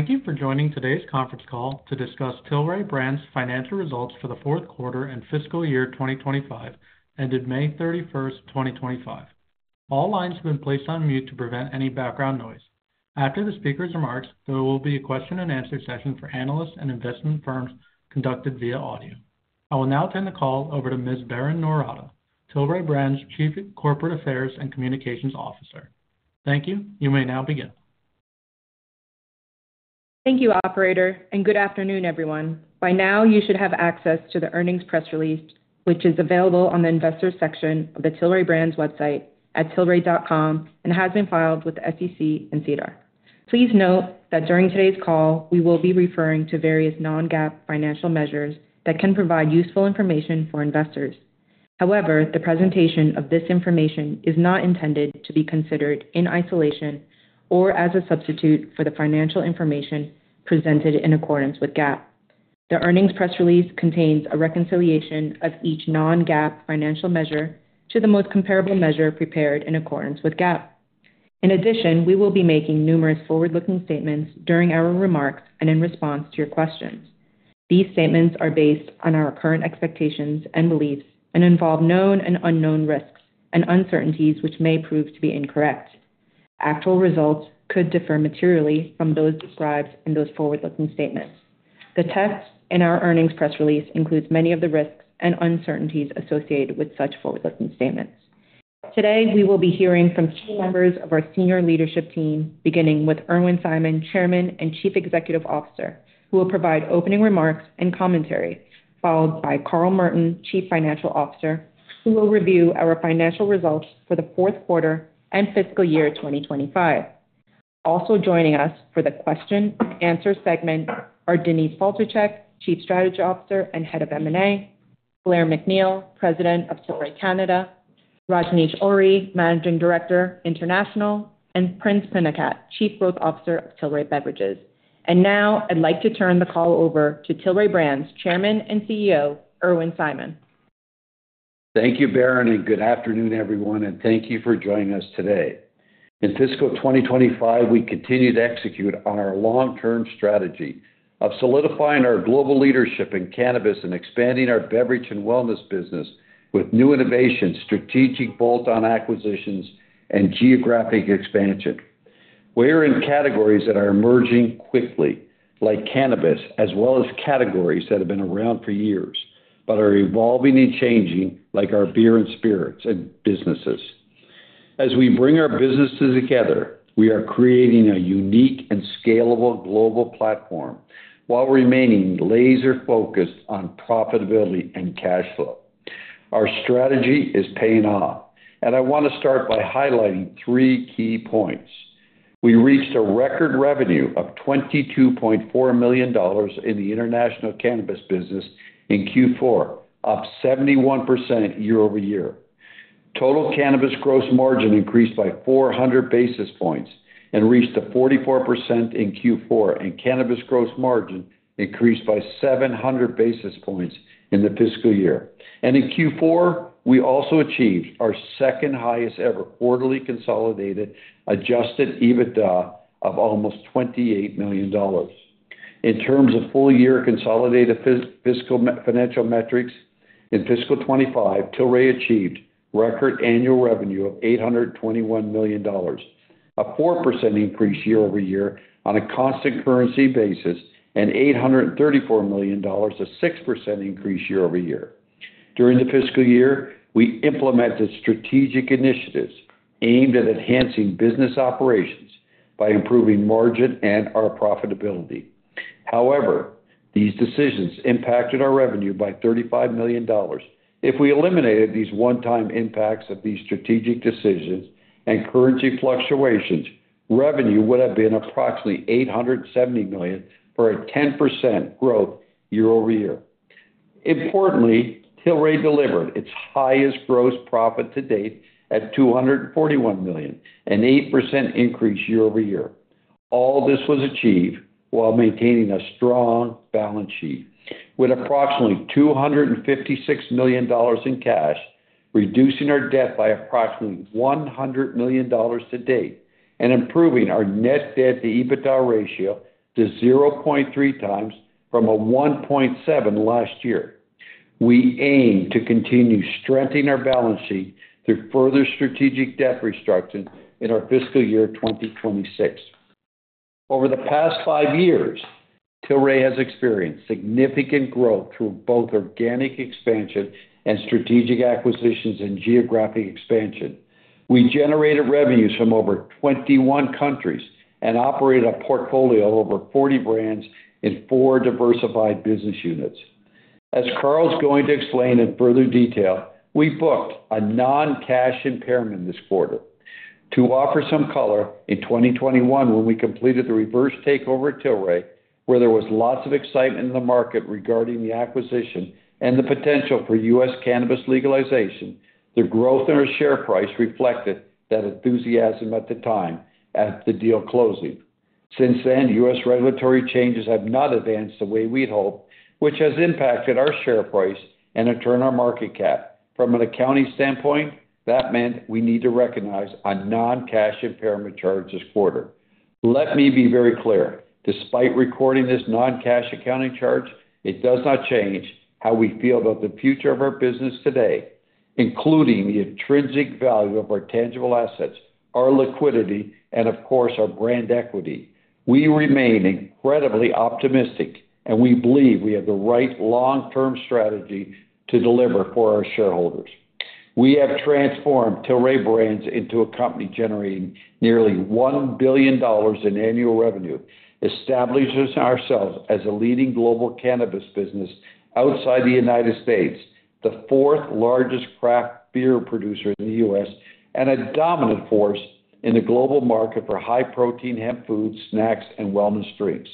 Thank you for joining today's conference call to discuss Tilray Brands' financial results for the fourth quarter and fiscal year 2025, ended May 31st, 2025. All lines have been placed on mute to prevent any background noise. After the speaker's remarks, there will be a question and answer session for analysts and investment firms conducted via audio. I will now turn the call over to Ms. Berrin Noorata, Tilray Brands' Chief Corporate Affairs and Communications Officer. Thank you. You may now begin. Thank you, Operator, and good afternoon, everyone. By now, you should have access to the earnings press release, which is available on the Investors section of the Tilray Brands website at tilray.com and has been filed with the SEC and SEDAR. Please note that during today's call, we will be referring to various non-GAAP financial measures that can provide useful information for investors. However, the presentation of this information is not intended to be considered in isolation or as a substitute for the financial information presented in accordance with GAAP. The earnings press release contains a reconciliation of each non-GAAP financial measure to the most comparable measure prepared in accordance with GAAP. In addition, we will be making numerous forward-looking statements during our remarks and in response to your questions. These statements are based on our current expectations and beliefs and involve known and unknown risks and uncertainties which may prove to be incorrect. Actual results could differ materially from those described in those forward-looking statements. The text in our earnings press release includes many of the risks and uncertainties associated with such forward-looking statements. Today, we will be hearing from key members of our senior leadership team, beginning with Irwin Simon, Chairman and Chief Executive Officer, who will provide opening remarks and commentary, followed by Carl Merton, Chief Financial Officer, who will review our financial results for the fourth quarter and fiscal year 2025. Also joining us for the question and answer segment are Denise Faltischek, Chief Strategy Officer and Head of M&A, Blair MacNeil, President of Tilray Canada, Rajnish Ohri, Managing Director, International, and Prinz Pinakatt, Chief Growth Officer of Tilray Beverages. I would like to turn the call over to Tilray Brands' Chairman and CEO, Irwin Simon. Thank you, Berrin, and good afternoon, everyone, and thank you for joining us today. In fiscal 2025, we continue to execute our long-term strategy of solidifying our global leadership in cannabis and expanding our beverage and wellness business with new innovations, strategic bolt-on acquisitions, and geographic expansion. We're in categories that are emerging quickly, like cannabis, as well as categories that have been around for years but are evolving and changing, like our beer and spirits businesses. As we bring our businesses together, we are creating a unique and scalable global platform while remaining laser-focused on profitability and cash flow. Our strategy is paying off, and I want to start by highlighting three key points. We reached a record revenue of $22.4 million in the international cannabis business in Q4, up 71% year-over-year. Total cannabis gross margin increased by 400 basis points and reached 44% in Q4, and cannabis gross margin increased by 700 basis points in the fiscal year. In Q4, we also achieved our second-highest ever quarterly consolidated adjusted EBITDA of almost $28 million. In terms of full-year consolidated fiscal financial metrics, in fiscal 2025, Tilray achieved record annual revenue of $821 million, a 4% increase year-over-year on a constant currency basis, and $834 million, a 6% increase year-over-year. During the fiscal year, we implemented strategic initiatives aimed at enhancing business operations by improving margin and our profitability. However, these decisions impacted our revenue by $35 million. If we eliminated these one-time impacts of these strategic decisions and currency fluctuations, revenue would have been approximately $870 million for a 10% growth year-over-year. Importantly, Tilray delivered its highest gross profit to date at $241 million, an 8% increase year-over-year. All this was achieved while maintaining a strong balance sheet. With approximately $256 million in cash, reducing our debt by approximately $100 million to date and improving our net debt-to-EBITDA ratio to 0.3x from 1.7x last year, we aim to continue strengthening our balance sheet through further strategic debt restructuring in our fiscal year 2026. Over the past five years, Tilray has experienced significant growth through both organic expansion and strategic acquisitions and geographic expansion. We generated revenues from over 21 countries and operated a portfolio of over 40 brands in four diversified business units. As Carl is going to explain in further detail, we booked a non-cash impairment charge this quarter. To offer some color, in 2021, when we completed the reverse takeover at Tilray, where there was lots of excitement in the market regarding the acquisition and the potential for U.S. cannabis legalization, the growth in our share price reflected that enthusiasm at the time of the deal closing. Since then, U.S. regulatory changes have not advanced the way we'd hoped, which has impacted our share price and, in turn, our market capitalization. From an accounting standpoint, that meant we need to recognize a non-cash impairment charge this quarter. Let me be very clear. Despite recording this non-cash accounting charge, it does not change how we feel about the future of our business today, including the intrinsic value of our tangible assets, our liquidity, and, of course, our brand equity. We remain incredibly optimistic, and we believe we have the right long-term strategy to deliver for our shareholders. We have transformed Tilray Brands into a company generating nearly $1 billion in annual revenue, establishing ourselves as a leading global cannabis business outside the Unites States, the fourth largest craft beer producer in the U.S., and a dominant force in the global market for high-protein hemp foods, snacks, and wellness drinks.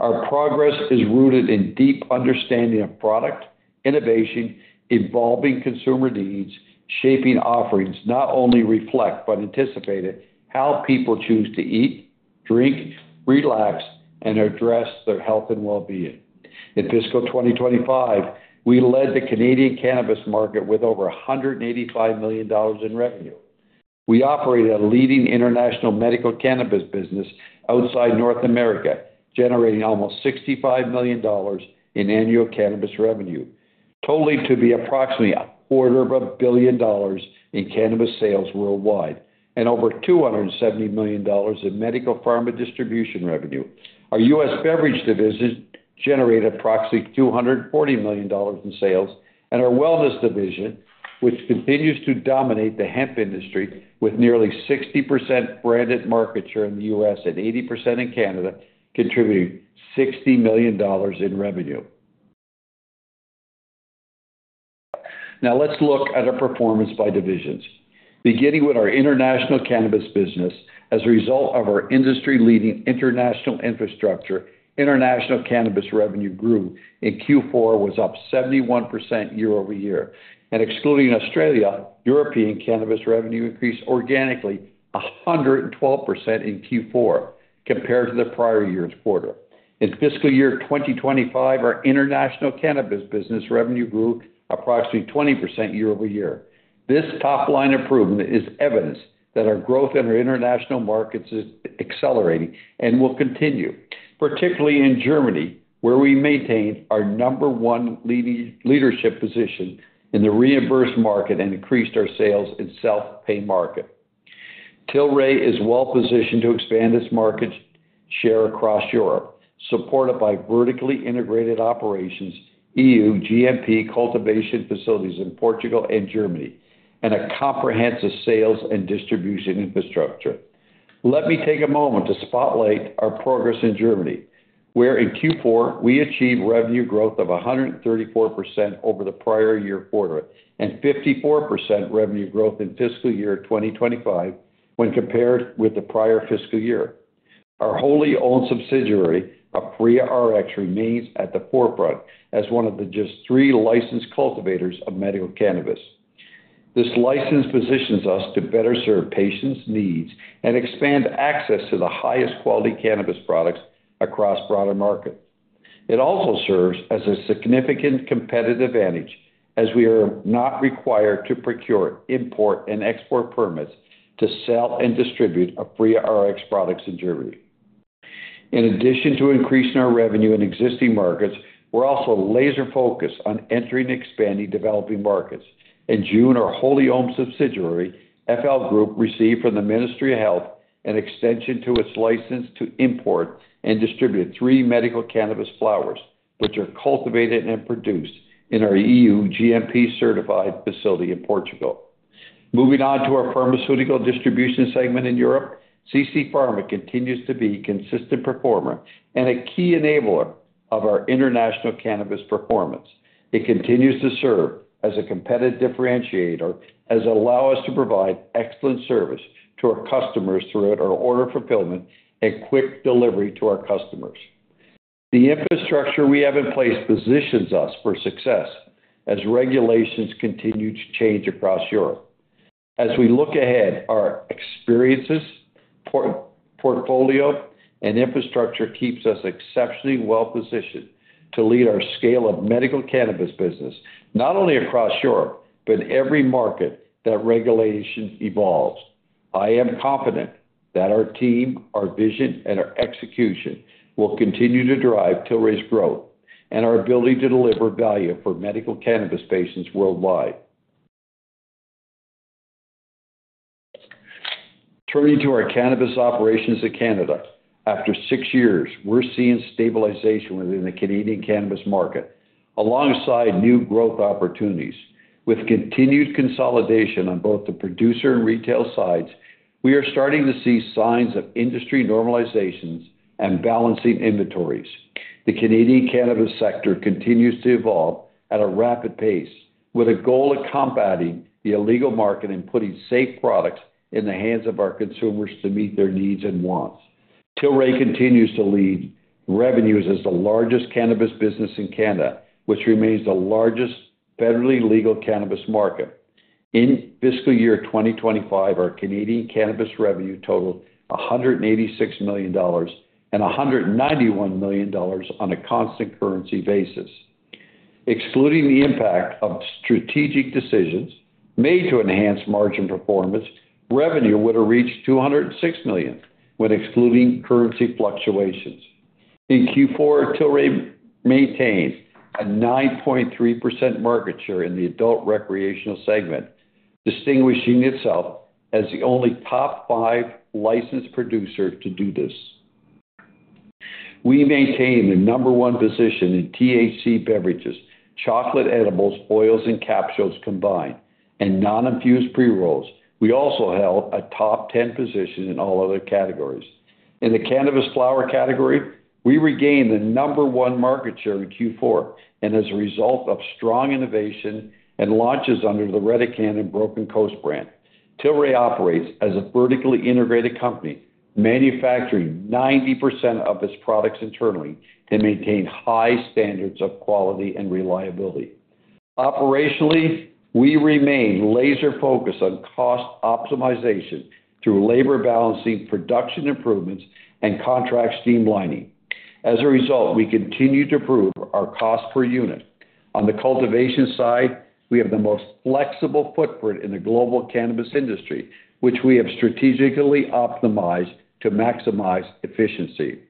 Our progress is rooted in a deep understanding of product, innovation, evolving consumer needs, and shaping offerings that not only reflect but anticipate how people choose to eat, drink, relax, and address their health and well-being. In fiscal 2025, we led the Canadian cannabis market with over $185 million in revenue. We operated a leading international medical cannabis business outside North America, generating almost $65 million in annual cannabis revenue, totaling to be approximately a quarter of a billion dollars in cannabis sales worldwide, and over $270 million in medical pharma distribution revenue. Our U.S. beverage division generated approximately $240 million in sales, and our wellness division, which continues to dominate the hemp industry with nearly 60% branded market share in the U.S. and 80% in Canada, contributing $60 million in revenue. Now, let's look at our performance by divisions. Beginning with our international cannabis business, as a result of our industry-leading international infrastructure, international cannabis revenue grew in Q4 and was up 71% year-over-year. Excluding Australia, European cannabis revenue increased organically 112% in Q4 compared to the prior year's quarter. In fiscal year 2025, our international cannabis business revenue grew approximately 20% year-over-year. This top-line improvement is evidence that our growth in our international markets is accelerating and will continue, particularly in Germany, where we maintained our number one leadership position in the reimbursed market and increased our sales in the self-paying market. Tilray is well-positioned to expand its market share across Europe, supported by vertically integrated operations, EU GMP cultivation facilities in Portugal and Germany, and a comprehensive sales and distribution infrastructure. Let me take a moment to spotlight our progress in Germany, where in Q4, we achieved revenue growth of 134% over the prior year quarter and 54% revenue growth in fiscal year 2025 when compared with the prior fiscal year. Our wholly owned subsidiary, Aphria RX, remains at the forefront as one of the just three licensed cultivators of medical cannabis. This license positions us to better serve patients' needs and expand access to the highest quality cannabis products across broader markets. It also serves as a significant competitive advantage as we are not required to procure import and export permits to sell and distribute Aphria RX products in Germany. In addition to increasing our revenue in existing markets, we're also laser-focused on entering and expanding developing markets. In June, our wholly owned subsidiary, FL Group, received from the Ministry of Health an extension to its license to import and distribute three medical cannabis flowers, which are cultivated and produced in our EU GMP-certified facility in Portugal. Moving on to our pharmaceutical distribution segment in Europe, CC Pharma continues to be a consistent performer and a key enabler of our international cannabis performance. It continues to serve as a competitive differentiator, allowing us to provide excellent service to our customers throughout our order fulfillment and quick delivery to our customers. The infrastructure we have in place positions us for success as regulations continue to change across Europe. As we look ahead, our experiences, portfolio, and infrastructure keep us exceptionally well-positioned to lead our scalable medical cannabis business, not only across Europe but in every market that regulations evolve. I am confident that our team, our vision, and our execution will continue to drive Tilray's growth and our ability to deliver value for medical cannabis patients worldwide. Turning to our cannabis operations in Canada, after six years, we're seeing stabilization within the Canadian cannabis market, alongside new growth opportunities. With continued consolidation on both the producer and retail sides, we are starting to see signs of industry normalization and balancing inventories. The Canadian cannabis sector continues to evolve at a rapid pace, with a goal of combating the illegal market and putting safe products in the hands of our consumers to meet their needs and wants. Tilray Brands continues to lead revenues as the largest cannabis business in Canada, which remains the largest federally legal cannabis market. In fiscal year 2025, our Canadian cannabis revenue totaled $186 million and $191 million on a constant currency basis. Excluding the impact of strategic decisions made to enhance margin performance, revenue would have reached $206 million when excluding currency fluctuations. In Q4, Tilray Brands maintained a 9.3% market share in the adult recreational segment, distinguishing itself as the only top five licensed producer to do this. We maintained the number one position in THC beverages, chocolate edibles, oils, and capsules combined, and non-infused pre-rolls. We also held a top 10 position in all other categories. In the cannabis flower category, we regained the number one market share in Q4, and as a result of strong innovation and launches under the Redecan and Broken Coast brand, Tilray operates as a vertically integrated company, manufacturing 90% of its products internally to maintain high standards of quality and reliability. Operationally, we remain laser-focused on cost optimization through labor balancing, production improvements, and contract streamlining. As a result, we continue to improve our cost per unit. On the cultivation side, we have the most flexible footprint in the global cannabis industry, which we have strategically optimized to maximize efficiency.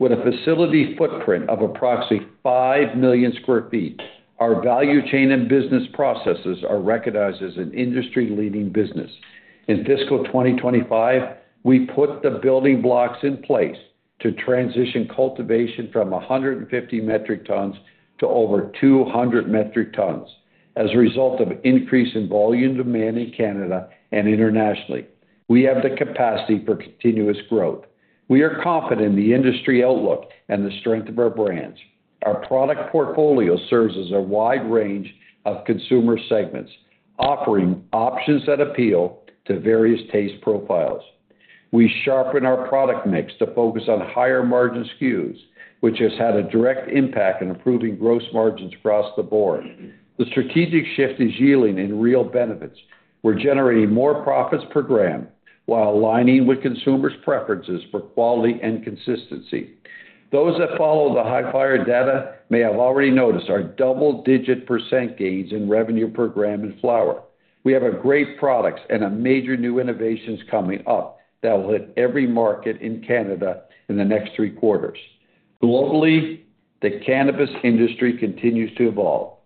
With a facility footprint of approximately 5 million square feet, our value chain and business processes are recognized as an industry-leading business. In fiscal 2025, we put the building blocks in place to transition cultivation from 150 metric tons to over 200 metric tons. As a result of an increase in volume demand in Canada and internationally, we have the capacity for continuous growth. We are confident in the industry outlook and the strength of our brands. Our product portfolio serves as a wide range of consumer segments, offering options that appeal to various taste profiles. We sharpen our product mix to focus on higher margin SKUs, which has had a direct impact on improving gross margins across the board. The strategic shift is yielding real benefits. We're generating more profits per gram while aligning with consumers' preferences for quality and consistency. Those that follow the HighFire data may have already noticed our double-digit percent gains in revenue per gram in flower. We have great products and major new innovations coming up that will hit every market in Canada in the next three quarters. Globally, the cannabis industry continues to evolve,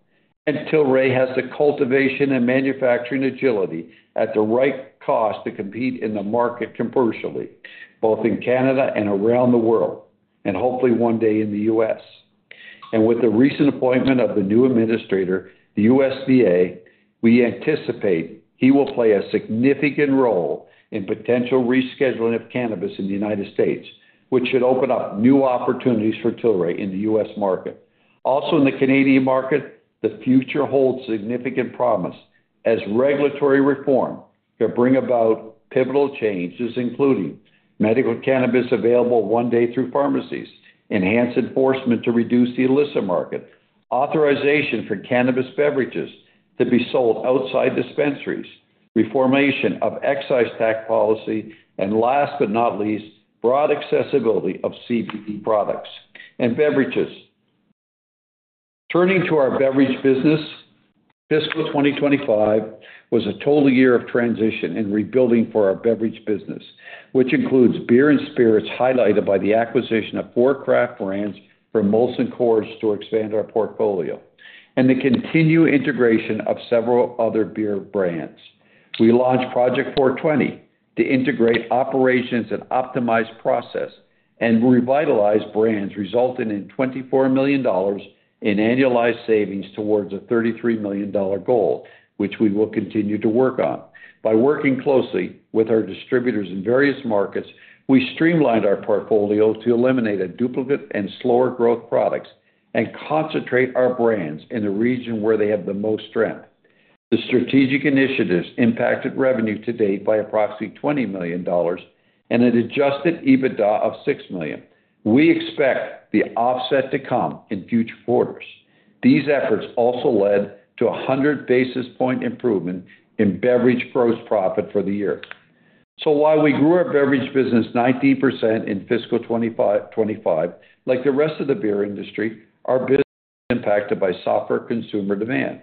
and Tilray has the cultivation and manufacturing agility at the right cost to compete in the market commercially, both in Canada and around the world, and hopefully one day in the U.S. With the recent appointment of the new Administrator, the USDA, we anticipate he will play a significant role in the potential rescheduling of cannabis in the U.S., which should open up new opportunities for Tilray in the U.S. market. Also, in the Canadian market, the future holds significant promise as regulatory reform could bring about pivotal changes, including medical cannabis available one day through pharmacies, enhanced enforcement to reduce the illicit market, authorization for cannabis beverages to be sold outside dispensaries, reformation of excise tax policy, and last but not least, broad accessibility of CBD products and beverages. Turning to our beverage business, fiscal 2025 was a total year of transition and rebuilding for our beverage business, which includes beer and spirits highlighted by the acquisition of four craft brands from Molson Coors to expand our portfolio and the continued integration of several other beer brands. We launched Project 420 to integrate operations and optimize the process and revitalize brands, resulting in $24 million in annualized savings towards a $33 million goal, which we will continue to work on. By working closely with our distributors in various markets, we streamlined our portfolio to eliminate duplicate and slower-growth products and concentrate our brands in the region where they have the most strength. The strategic initiatives impacted revenue to date by approximately $20 million and an adjusted EBITDA of $6 million. We expect the offset to come in future quarters. These efforts also led to a 100 basis point improvement in beverage gross profit for the year. While we grew our beverage business 19% in fiscal 2025, like the rest of the beer industry, our business was impacted by softer consumer demand.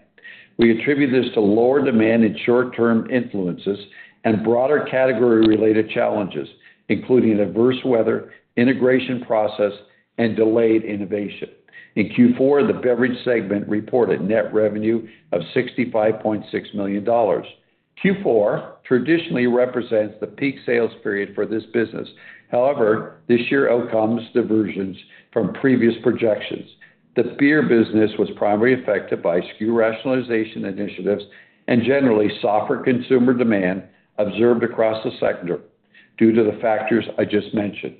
We attribute this to lower demand and short-term influences and broader category-related challenges, including adverse weather, integration process, and delayed innovation. In Q4, the beverage segment reported a net revenue of $65.6 million. Q4 traditionally represents the peak sales period for this business. However, this year outcomes diverged from previous projections. The beer business was primarily affected by SKU rationalization initiatives and generally softer consumer demand observed across the sector due to the factors I just mentioned.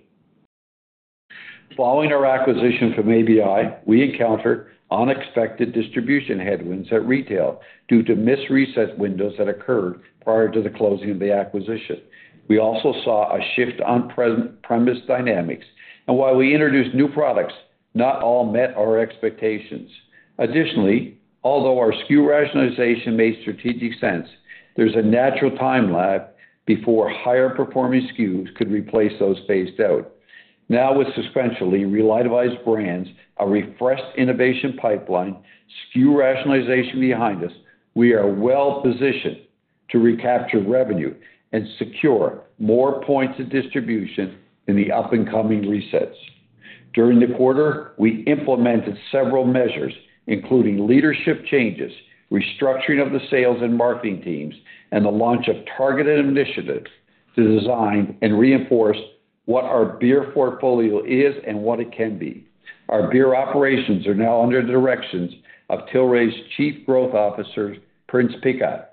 Following our acquisition from ABI, we encountered unexpected distribution headwinds at retail due to missed resale windows that occurred prior to the closing of the acquisition. We also saw a shift in on-premise dynamics, and while we introduced new products, not all met our expectations. Additionally, although our SKU rationalization made strategic sense, there's a natural time lag before higher-performing SKUs could replace those phased out. Now, with substantially reliabilized brands, a refreshed innovation pipeline, and SKU rationalization behind us, we are well-positioned to recapture revenue and secure more points of distribution in the up-and-coming resales. During the quarter, we implemented several measures, including leadership changes, restructuring of the sales and marketing teams, and the launch of targeted initiatives to design and reinforce what our beer portfolio is and what it can be. Our beer operations are now under the direction of Tilray's Chief Growth Officer, Prinz Pinakatt.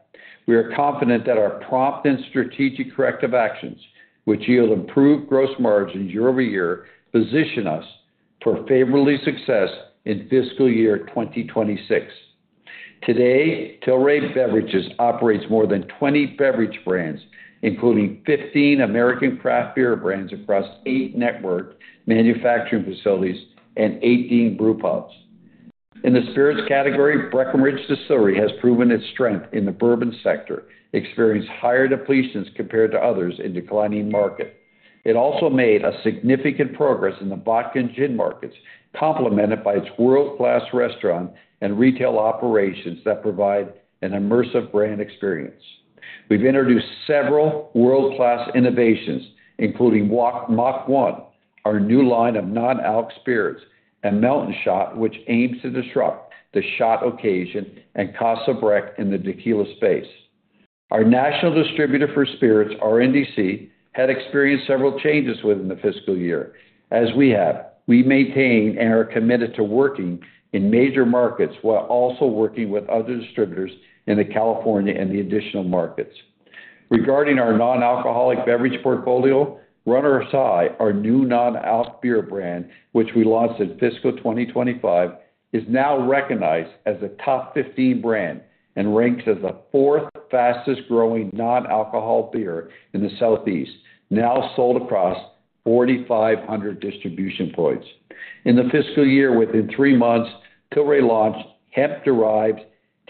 We are confident that our prompt and strategic corrective actions, which yield improved gross margins year-over-year, position us for favorable success in fiscal year 2026. Today, Tilray Beverages operates more than 20 beverage brands, including 15 American craft beer brands across eight network manufacturing facilities and 18 brewpubs. In the spirits category, Breckenridge Distillery has proven its strength in the bourbon sector, experiencing higher depletions compared to others in a declining market. It also made significant progress in the vodka and gin markets, complemented by its world-class restaurant and retail operations that provide an immersive brand experience. We've introduced several world-class innovations, including Walk Mock One, our new line of non-alc spirits, and Mountain Shot, which aims to disrupt the shot occasion, and Casa Breck in the tequila space. Our national distributor for spirits, RNDC, had experienced several changes within the fiscal year, as we have. We maintain and are committed to working in major markets while also working with other distributors in California and the additional markets. Regarding our non-alcoholic beverage portfolio, Runner's High, our new non-alc beer brand, which we launched in fiscal 2025, is now recognized as a top 15 brand and ranks as the fourth fastest-growing non-alcohol beer in the Southeast, now sold across 4,500 distribution points. In the fiscal year, within three months, Tilray launched hemp-derived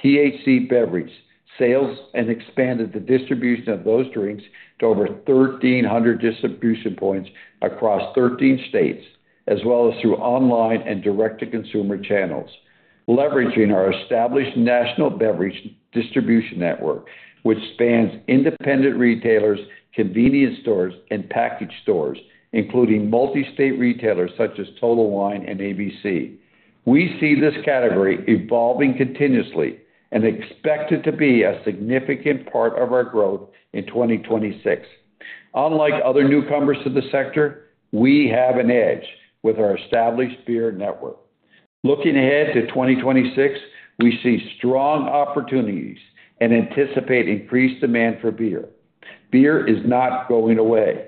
THC beverage sales and expanded the distribution of those drinks to over 1,300 distribution points across 13 states, as well as through online and direct-to-consumer channels, leveraging our established national beverage distribution network, which spans independent retailers, convenience stores, and package stores, including multi-state retailers such as Total Wine and ABC. We see this category evolving continuously and expect it to be a significant part of our growth in 2026. Unlike other newcomers to the sector, we have an edge with our established beer network. Looking ahead to 2026, we see strong opportunities and anticipate increased demand for beer. Beer is not going away.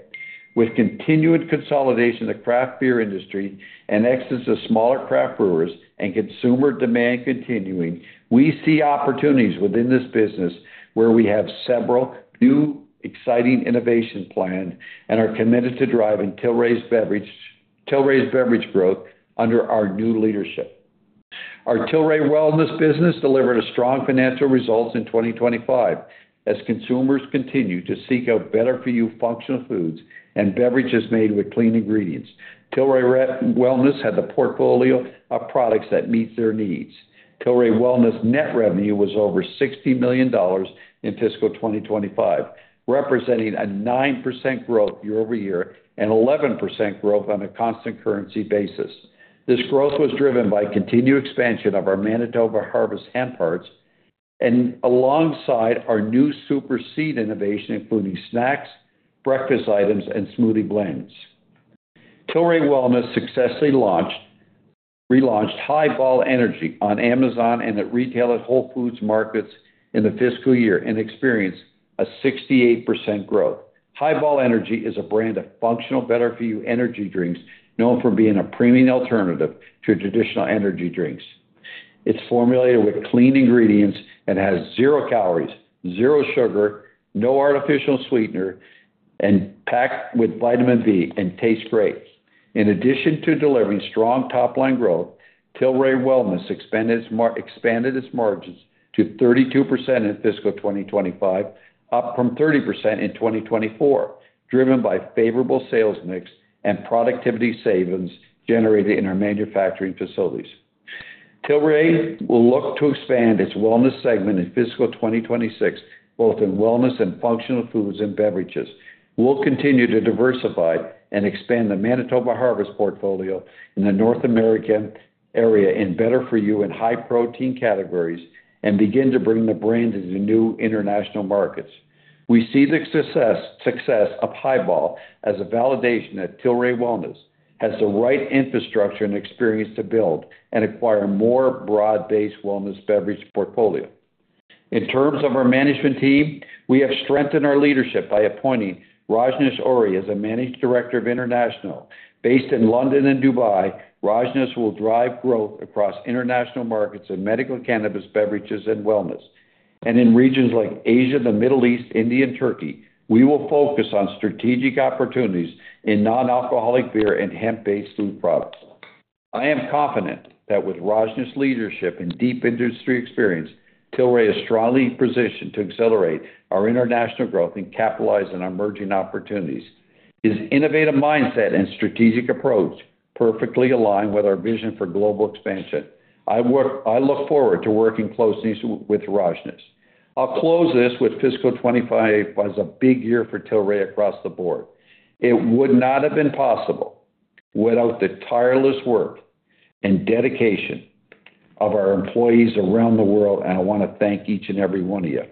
With continued consolidation of the craft beer industry and exits of smaller craft brewers and consumer demand continuing, we see opportunities within this business where we have several new, exciting innovations planned and are committed to driving Tilray's beverage growth under our new leadership. Our Tilray Wellness business delivered strong financial results in 2025 as consumers continued to seek out better-for-you functional foods and beverages made with clean ingredients. Tilray Wellness had the portfolio of products that meet their needs. Tilray Wellness's net revenue was over $60 million in fiscal 2025, representing a 9% growth year-over-year and 11% growth on a constant currency basis. This growth was driven by the continued expansion of our Manitoba Harvest Hemp+ and alongside our new super seed innovation, including snacks, breakfast items, and smoothie blends. Tilray Wellness successfully relaunched Hi-Ball Energy on Amazon and at retail at Whole Foods Markets in the fiscal year and experienced a 68% growth. Hi-Ball Energy is a brand of functional better-for-you energy drinks known for being a premium alternative to traditional energy drinks. It's formulated with clean ingredients and has zero calories, zero sugar, no artificial sweetener, and is packed with vitamin B and tastes great. In addition to delivering strong top-line growth, Tilray Wellness expanded its margins to 32% in fiscal 2025, up from 30% in 2024, driven by a favorable sales mix and productivity savings generated in our manufacturing facilities. Tilray will look to expand its wellness segment in fiscal 2026, both in wellness and functional foods and beverages. We'll continue to diversify and expand the Manitoba Harvest portfolio in the North American area in better-for-you and high-protein categories and begin to bring the brand into new international markets. We see the success of Hi-Ball as a validation that Tilray Wellness has the right infrastructure and experience to build and acquire a more broad-based wellness beverage portfolio. In terms of our management team, we have strengthened our leadership by appointing Rajnish Ohri as a Managing Director of International. Based in London and Dubai, Rajnish will drive growth across international markets in medical cannabis beverages and wellness. In regions like Asia, the Middle East, India, and Turkey, we will focus on strategic opportunities in non-alcoholic beer and hemp-based food products. I am confident that with Rajnish's leadership and deep industry experience, Tilray is strongly positioned to accelerate our international growth and capitalize on emerging opportunities. His innovative mindset and strategic approach perfectly align with our vision for global expansion. I look forward to working closely with Rajnish. I'll close this with fiscal 2025 was a big year for Tilray across the board. It would not have been possible without the tireless work and dedication of our employees around the world, and I want to thank each and every one of you.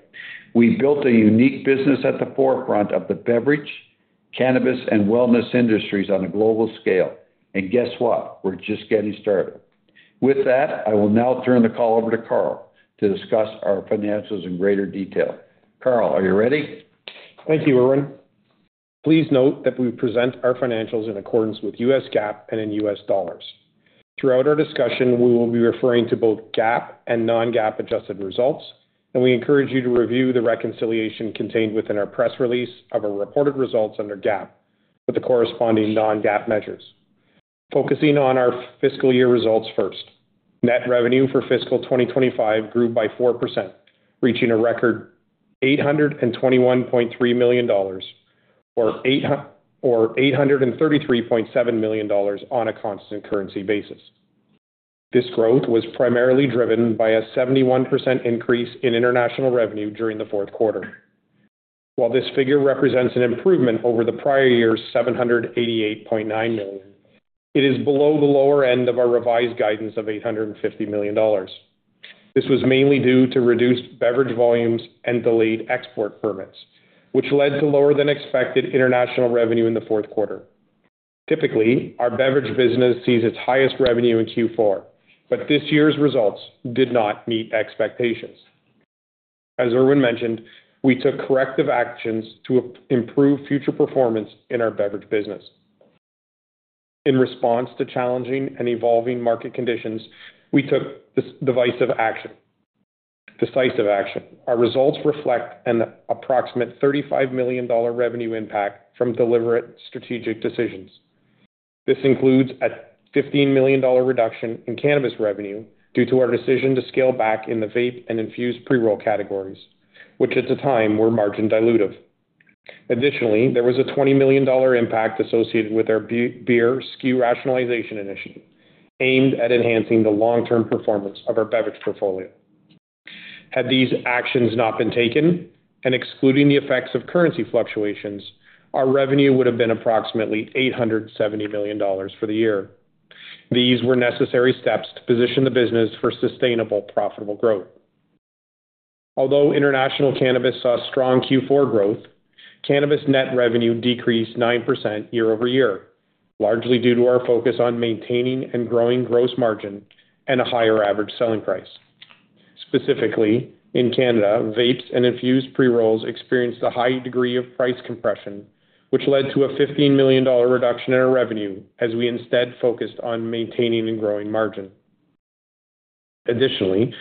We built a unique business at the forefront of the beverage, cannabis, and wellness industries on a global scale. Guess what? We're just getting started. With that, I will now turn the call over to Carl to discuss our financials in greater detail. Carl, are you ready? Thank you, Irwin. Please note that we present our financials in accordance with U.S. GAAP and in U.S. dollars. Throughout our discussion, we will be referring to both GAAP and non-GAAP adjusted results, and we encourage you to review the reconciliation contained within our press release of our reported results under GAAP with the corresponding non-GAAP measures. Focusing on our fiscal year results first, net revenue for fiscal 2025 grew by 4%, reaching a record $821.3 million or $833.7 million on a constant currency basis. This growth was primarily driven by a 71% increase in international revenue during the fourth quarter. While this figure represents an improvement over the prior year's $788.9 million, it is below the lower end of our revised guidance of $850 million. This was mainly due to reduced beverage volumes and delayed export permits, which led to lower than expected international revenue in the fourth quarter. Typically, our beverage business sees its highest revenue in Q4, but this year's results did not meet expectations. As Irwin mentioned, we took corrective actions to improve future performance in our beverage business. In response to challenging and evolving market conditions, we took decisive action. Our results reflect an approximate $35 million revenue impact from deliberate strategic decisions. This includes a $15 million reduction in cannabis revenue due to our decision to scale back in the vape and infused pre-roll categories, which at the time were margin dilutive. Additionally, there was a $20 million impact associated with our beer SKU rationalization initiative aimed at enhancing the long-term performance of our beverage portfolio. Had these actions not been taken and excluding the effects of currency fluctuations, our revenue would have been approximately $870 million for the year. These were necessary steps to position the business for sustainable, profitable growth. Although international cannabis saw strong Q4 growth, cannabis net revenue decreased 9% year-over-year, largely due to our focus on maintaining and growing gross margin and a higher average selling price. Specifically, in Canada, vapes and infused pre-rolls experienced a high degree of price compression, which led to a $15 million reduction in our revenue as we instead focused on maintaining and growing margin. Additionally,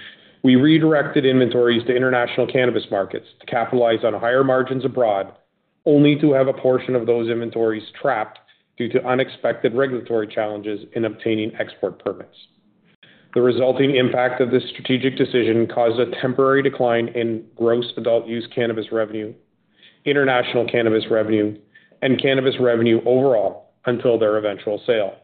we redirected inventories to international cannabis markets to capitalize on higher margins abroad, only to have a portion of those inventories trapped due to unexpected regulatory challenges in obtaining export permits. The resulting impact of this strategic decision caused a temporary decline in gross adult-use cannabis revenue, international cannabis revenue, and cannabis revenue overall until their eventual sale.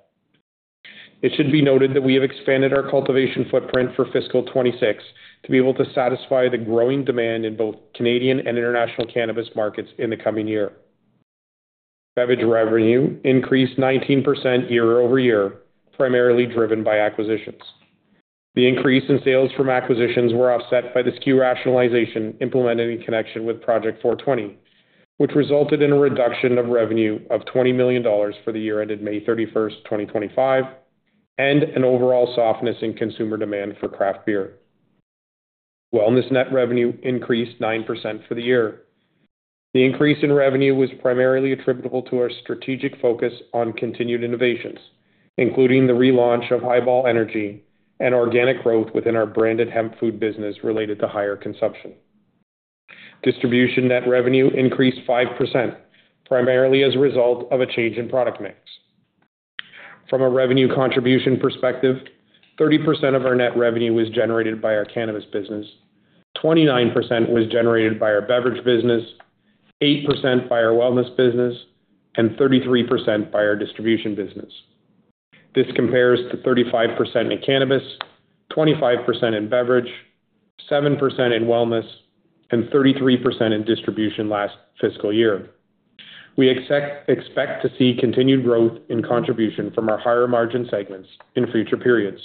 It should be noted that we have expanded our cultivation footprint for fiscal 2026 to be able to satisfy the growing demand in both Canadian and international cannabis markets in the coming year. Beverage revenue increased 19% year-over-year, primarily driven by acquisitions. The increase in sales from acquisitions was offset by the SKU rationalization implemented in connection with Project 420, which resulted in a reduction of revenue of $20 million for the year ended May 31st, 2025, and an overall softness in consumer demand for craft beer. Wellness net revenue increased 9% for the year. The increase in revenue was primarily attributable to our strategic focus on continued innovations, including the relaunch of Hi-Ball Energy and organic growth within our branded hemp food business related to higher consumption. Distribution net revenue increased 5%, primarily as a result of a change in product mix. From a revenue contribution perspective, 30% of our net revenue was generated by our cannabis business, 29% was generated by our beverage business, 8% by our wellness business, and 33% by our distribution business. This compares to 35% in cannabis, 25% in beverage, 7% in wellness, and 33% in distribution last fiscal year. We expect to see continued growth in contribution from our higher margin segments in future periods.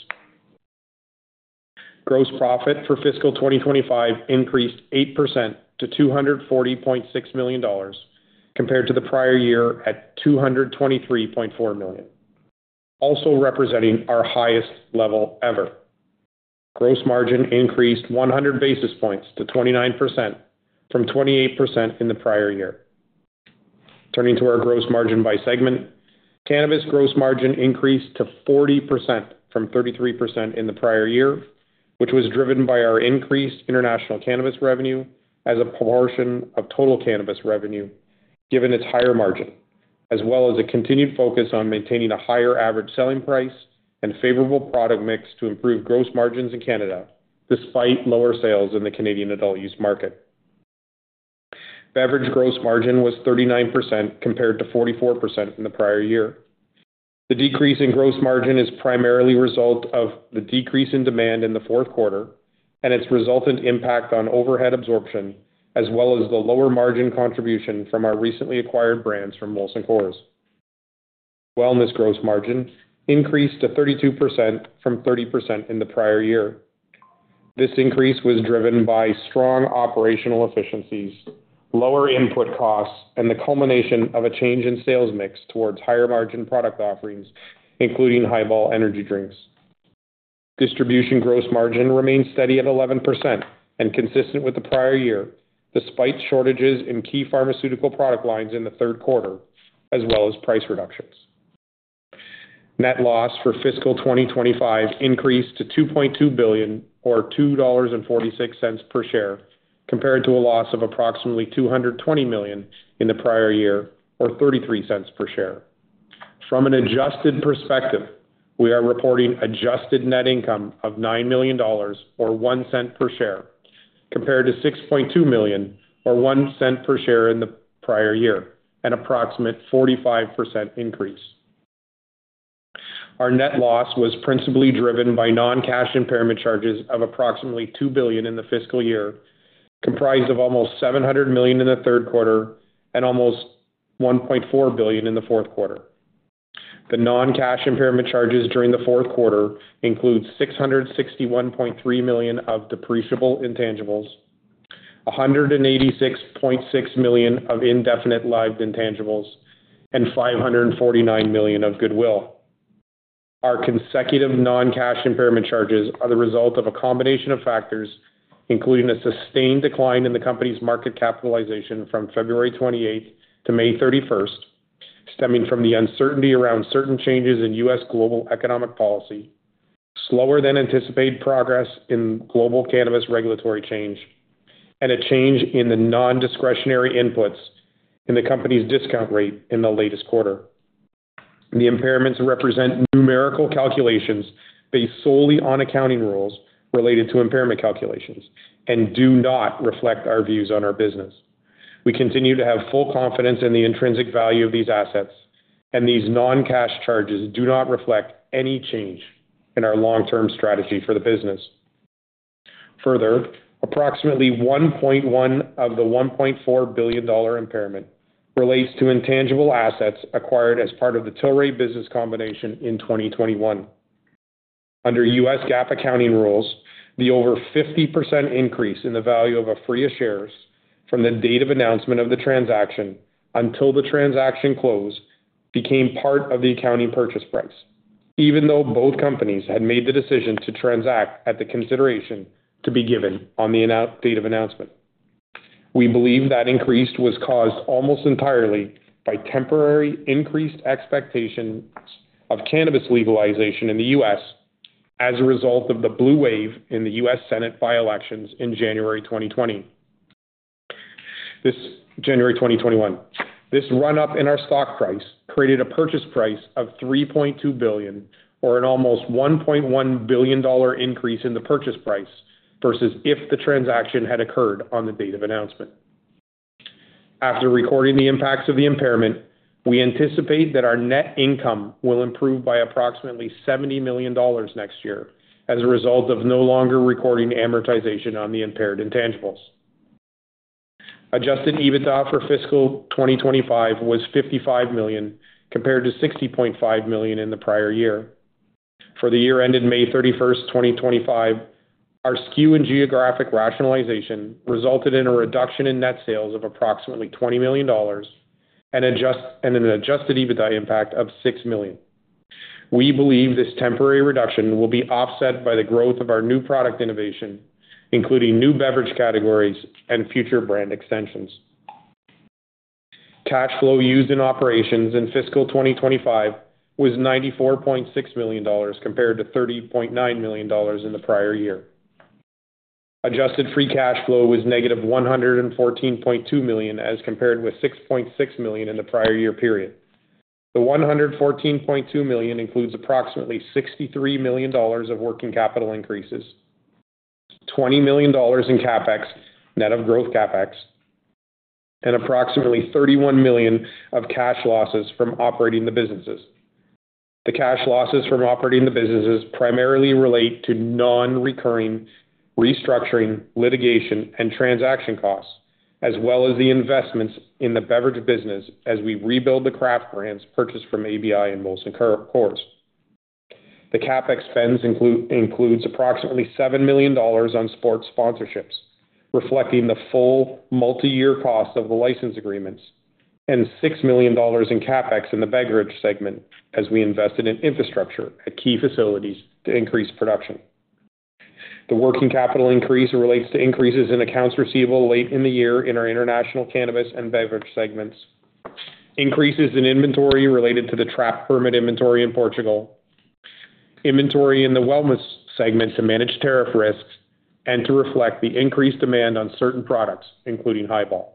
Gross profit for fiscal 2025 increased 8% to $240.6 million compared to the prior year at $223.4 million, also representing our highest level ever. Gross margin increased 100 basis points to 29% from 28% in the prior year. Turning to our gross margin by segment, cannabis gross margin increased to 40% from 33% in the prior year, which was driven by our increased international cannabis revenue as a proportion of total cannabis revenue, given its higher margin, as well as a continued focus on maintaining a higher average selling price and favorable product mix to improve gross margins in Canada, despite lower sales in the Canadian adult-use market. Beverage gross margin was 39% compared to 44% in the prior year. The decrease in gross margin is primarily a result of the decrease in demand in the fourth quarter and its resultant impact on overhead absorption, as well as the lower margin contribution from our recently acquired brands from Molson Coors. Wellness gross margin increased to 32% from 30% in the prior year. This increase was driven by strong operational efficiencies, lower input costs, and the culmination of a change in sales mix towards higher margin product offerings, including Hi-Ball Energy drinks. Distribution gross margin remains steady at 11% and consistent with the prior year, despite shortages in key pharmaceutical product lines in the third quarter, as well as price reductions. Net loss for fiscal 2025 increased to $2.2 billion or $2.46 per share, compared to a loss of approximately $220 million in the prior year or $0.33 per share. From an adjusted perspective, we are reporting an adjusted net income of $9 million or $0.01 per share, compared to $6.2 million or $0.01 per share in the prior year, an approximate 45% increase. Our net loss was principally driven by non-cash impairment charges of approximately $2 billion in the fiscal year, comprised of almost $700 million in the third quarter and almost $1.4 billion in the fourth quarter. The non-cash impairment charges during the fourth quarter include $661.3 million of depreciable intangibles, $186.6 million of indefinite lived intangibles, and $549 million of goodwill. Our consecutive non-cash impairment charges are the result of a combination of factors, including a sustained decline in the company's market capitalization from February 28 to May 31st, stemming from the uncertainty around certain changes in U.S. global economic policy, slower-than-anticipated progress in global cannabis regulatory change, and a change in the non-discretionary inputs in the company's discount rate in the latest quarter. The impairments represent numerical calculations based solely on accounting rules related to impairment calculations and do not reflect our views on our business. We continue to have full confidence in the intrinsic value of these assets, and these non-cash charges do not reflect any change in our long-term strategy for the business. Further, approximately $1.1 billion of the $1.4 billion impairment relates to intangible assets acquired as part of the Tilray business combination in 2021. Under U.S. GAAP accounting rules, the over 50% increase in the value of a free of shares from the date of announcement of the transaction until the transaction close became part of the accounting purchase price, even though both companies had made the decision to transact at the consideration to be given on the date of announcement. We believe that increase was caused almost entirely by temporary increased expectations of cannabis legalization in the U.S. as a result of the blue wave in the U.S. Senate by-elections in January 2021. This run-up in our stock price created a purchase price of $3.2 billion, or an almost $1.1 billion increase in the purchase price versus if the transaction had occurred on the date of announcement. After recording the impacts of the impairment, we anticipate that our net income will improve by approximately $70 million next year as a result of no longer recording amortization on the impaired intangibles. Adjusted EBITDA for fiscal 2025 was $55 million compared to $60.5 million in the prior year. For the year ended May 31st, 2025, our SKU and geographic rationalization resulted in a reduction in net sales of approximately $20 million and an adjusted EBITDA impact of $6 million. We believe this temporary reduction will be offset by the growth of our new product innovation, including new beverage categories and future brand extensions. Cash flow used in operations in fiscal 2025 was $94.6 million compared to $30.9 million in the prior year. Adjusted free cash flow was -$114.2 million as compared with $6.6 million in the prior year period. The $114.2 million includes approximately $63 million of working capital increases, $20 million in CapEx, net of gross CapEx, and approximately $31 million of cash losses from operating the businesses. The cash losses from operating the businesses primarily relate to non-recurring restructuring, litigation, and transaction costs, as well as the investments in the beverage business as we rebuild the craft brands purchased from ABI and Molson Coors. The CapEx spends include approximately $7 million on sports sponsorships, reflecting the full multi-year cost of the license agreements, and $6 million in CapEx in the beverage segment as we invested in infrastructure at key facilities to increase production. The working capital increase relates to increases in accounts receivable late in the year in our international cannabis and beverage segments, increases in inventory related to the trap permit inventory in Portugal, inventory in the wellness segment to manage tariff risks, and to reflect the increased demand on certain products, including Hi-Ball.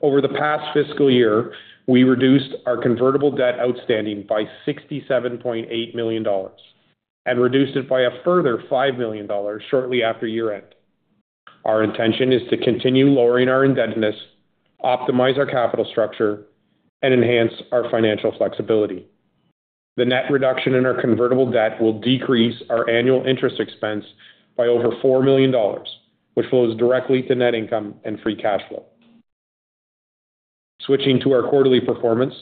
Over the past fiscal year, we reduced our convertible debt outstanding by $67.8 million and reduced it by a further $5 million shortly after year-end. Our intention is to continue lowering our indebtedness, optimize our capital structure, and enhance our financial flexibility. The net reduction in our convertible debt will decrease our annual interest expense by over $4 million, which flows directly to net income and free cash flow. Switching to our quarterly performance,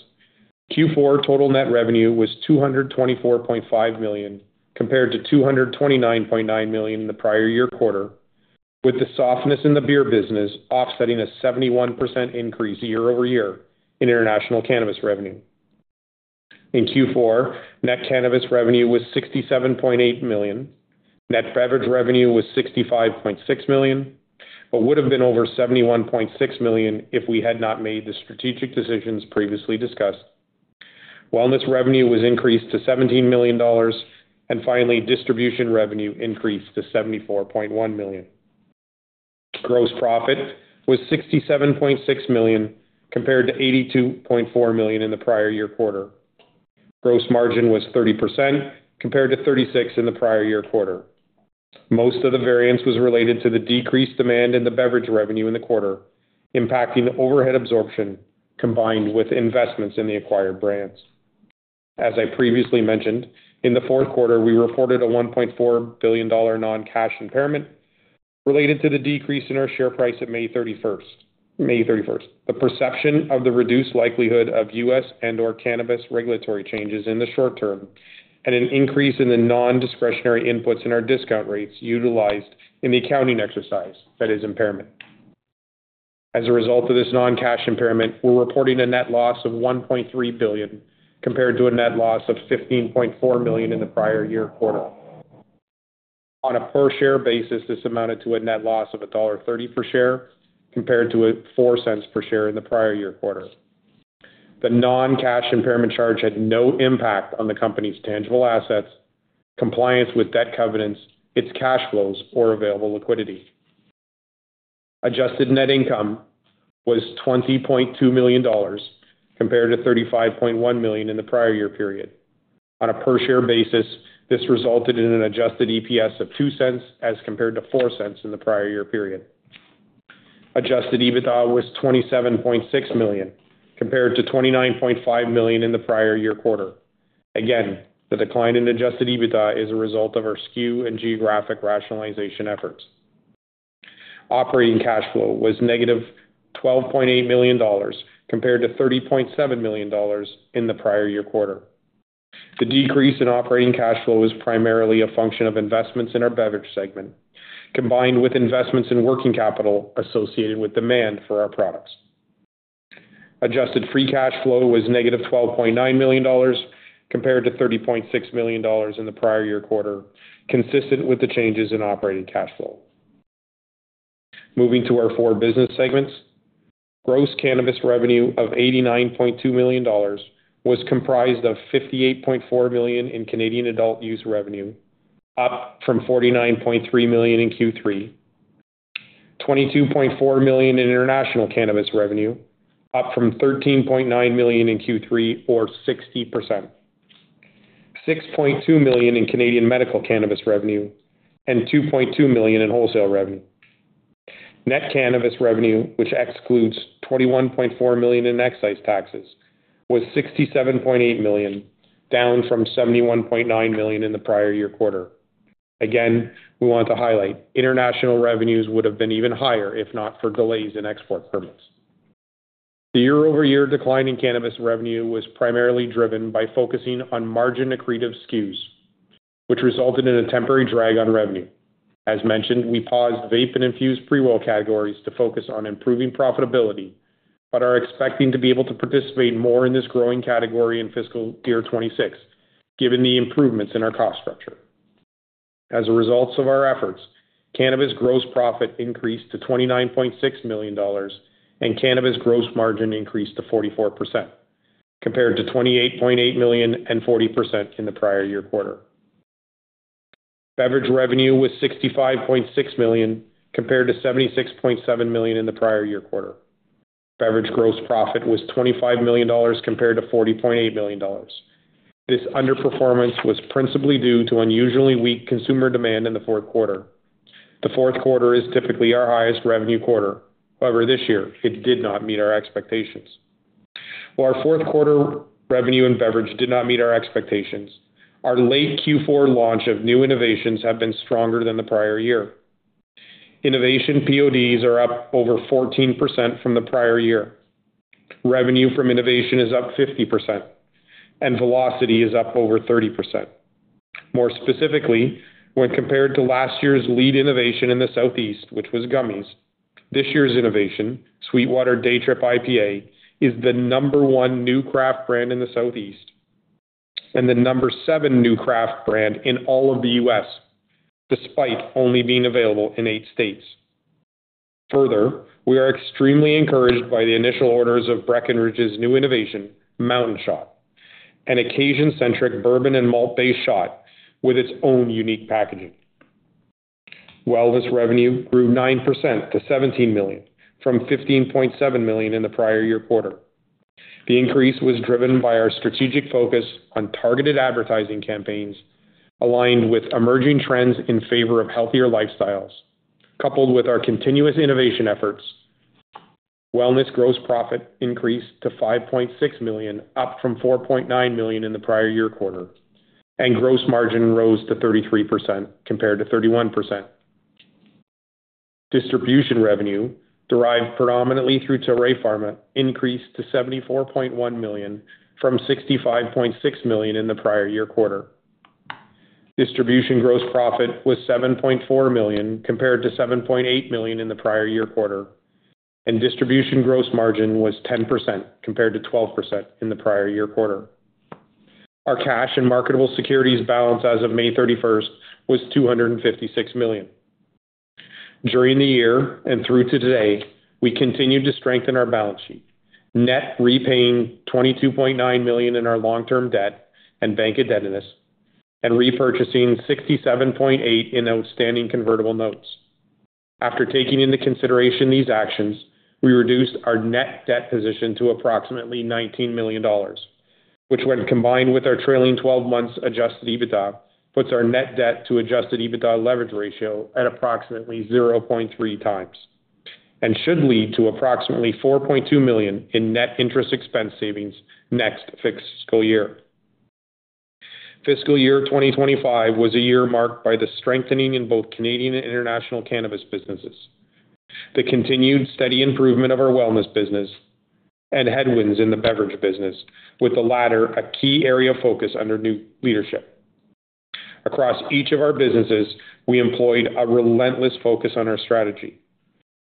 Q4 total net revenue was $224.5 million compared to $229.9 million in the prior year quarter, with the softness in the beer business offsetting a 71% increase year-over-year in international cannabis revenue. In Q4, net cannabis revenue was $67.8 million, net beverage revenue was $65.6 million, but would have been over $71.6 million if we had not made the strategic decisions previously discussed. Wellness revenue was increased to $17 million, and finally, distribution revenue increased to $74.1 million. Gross profit was $67.6 million compared to $82.4 million in the prior year quarter. Gross margin was 30% compared to $36 million in the prior year quarter. Most of the variance was related to the decreased demand in the beverage revenue in the quarter, impacting overhead absorption combined with investments in the acquired brands. As I previously mentioned, in the fourth quarter, we reported a $1.4 billion non-cash impairment related to the decrease in our share price at May 31st. The perception of the reduced likelihood of U.S. and/or cannabis regulatory changes in the short term and an increase in the non-discretionary inputs in our discount rates utilized in the accounting exercise, that is impairment. As a result of this non-cash impairment, we're reporting a net loss of $1.3 billion compared to a net loss of $15.4 million in the prior year quarter. On a per-share basis, this amounted to a net loss of $1.30 per share compared to $0.04 per share in the prior year quarter. The non-cash impairment charge had no impact on the company's tangible assets, compliance with debt covenants, its cash flows, or available liquidity. Adjusted net income was $20.2 million compared to $35.1 million in the prior year period. On a per-share basis, this resulted in an adjusted EPS of $0.02 as compared to $0.04 in the prior year period. Adjusted EBITDA was $27.6 million compared to $29.5 million in the prior year quarter. The decline in adjusted EBITDA is a result of our SKU and geographic rationalization efforts. Operating cash flow was -$12.8 million compared to $30.7 million in the prior year quarter. The decrease in operating cash flow was primarily a function of investments in our beverage segment, combined with investments in working capital associated with demand for our products. Adjusted free cash flow was -$12.9 million compared to $30.6 million in the prior year quarter, consistent with the changes in operating cash flow. Moving to our four business segments, gross cannabis revenue of $89.2 million was comprised of $58.4 million in Canadian adult-use revenue, up from $49.3 million in Q3, $22.4 million in international cannabis revenue, up from $13.9 million in Q3, or 60%, $6.2 million in Canadian medical cannabis revenue, and $2.2 million in wholesale revenue. Net cannabis revenue, which excludes $21.4 million in excise taxes, was $67.8 million, down from $71.9 million in the prior year quarter. We want to highlight international revenues would have been even higher if not for delays in export permits. The year-over-year decline in cannabis revenue was primarily driven by focusing on margin accretive SKUs, which resulted in a temporary drag on revenue. As mentioned, we paused vape and infused pre-roll categories to focus on improving profitability, but are expecting to be able to participate more in this growing category in fiscal year 2026, given the improvements in our cost structure. As a result of our efforts, cannabis gross profit increased to $29.6 million, and cannabis gross margin increased to 44% compared to $28.8 million and 40% in the prior year quarter. Beverage revenue was $65.6 million compared to $76.7 million in the prior year quarter. Beverage gross profit was $25 million compared to $40.8 million. This underperformance was principally due to unusually weak consumer demand in the fourth quarter. The fourth quarter is typically our highest revenue quarter; however, this year it did not meet our expectations. While our fourth quarter revenue in beverage did not meet our expectations, our late Q4 launch of new innovations has been stronger than the prior year. Innovation PODs are up over 14% from the prior year. Revenue from innovation is up 50%, and velocity is up over 30%. More specifically, when compared to last year's lead innovation in the Southeast, which was gummies, this year's innovation, Sweetwater Day Trip IPA, is the number one new craft brand in the Southeast and the number seven new craft brand in all of the U.S., despite only being available in eight states. Further, we are extremely encouraged by the initial orders of Breckenridge's new innovation, Mountain Shot, an occasion-centric bourbon and malt-based shot with its own unique packaging. Wellness revenue grew 9% to $17 million from $15.7 million in the prior year quarter. The increase was driven by our strategic focus on targeted advertising campaigns aligned with emerging trends in favor of healthier lifestyles, coupled with our continuous innovation efforts. Wellness gross profit increased to $5.6 million, up from $4.9 million in the prior year quarter, and gross margin rose to 33% compared to 31%. Distribution revenue, derived predominantly through Tilray Pharma, increased to $74.1 million from $65.6 million in the prior year quarter. Distribution gross profit was $7.4 million compared to $7.8 million in the prior year quarter, and distribution gross margin was 10% compared to 12% in the prior year quarter. Our cash and marketable securities balance as of May 31st was $256 million. During the year and through to today, we continued to strengthen our balance sheet, net repaying $22.9 million in our long-term debt and bank indebtedness and repurchasing $67.8 million in outstanding convertible notes. After taking into consideration these actions, we reduced our net debt position to approximately $19 million, which, when combined with our trailing 12 months adjusted EBITDA, puts our net debt to adjusted EBITDA leverage ratio at approximately 0.3x and should lead to approximately $4.2 million in net interest expense savings next fiscal year. Fiscal year 2025 was a year marked by the strengthening in both Canadian and international cannabis businesses, the continued steady improvement of our wellness business, and headwinds in the beverage business, with the latter a key area of focus under new leadership. Across each of our businesses, we employed a relentless focus on our strategy.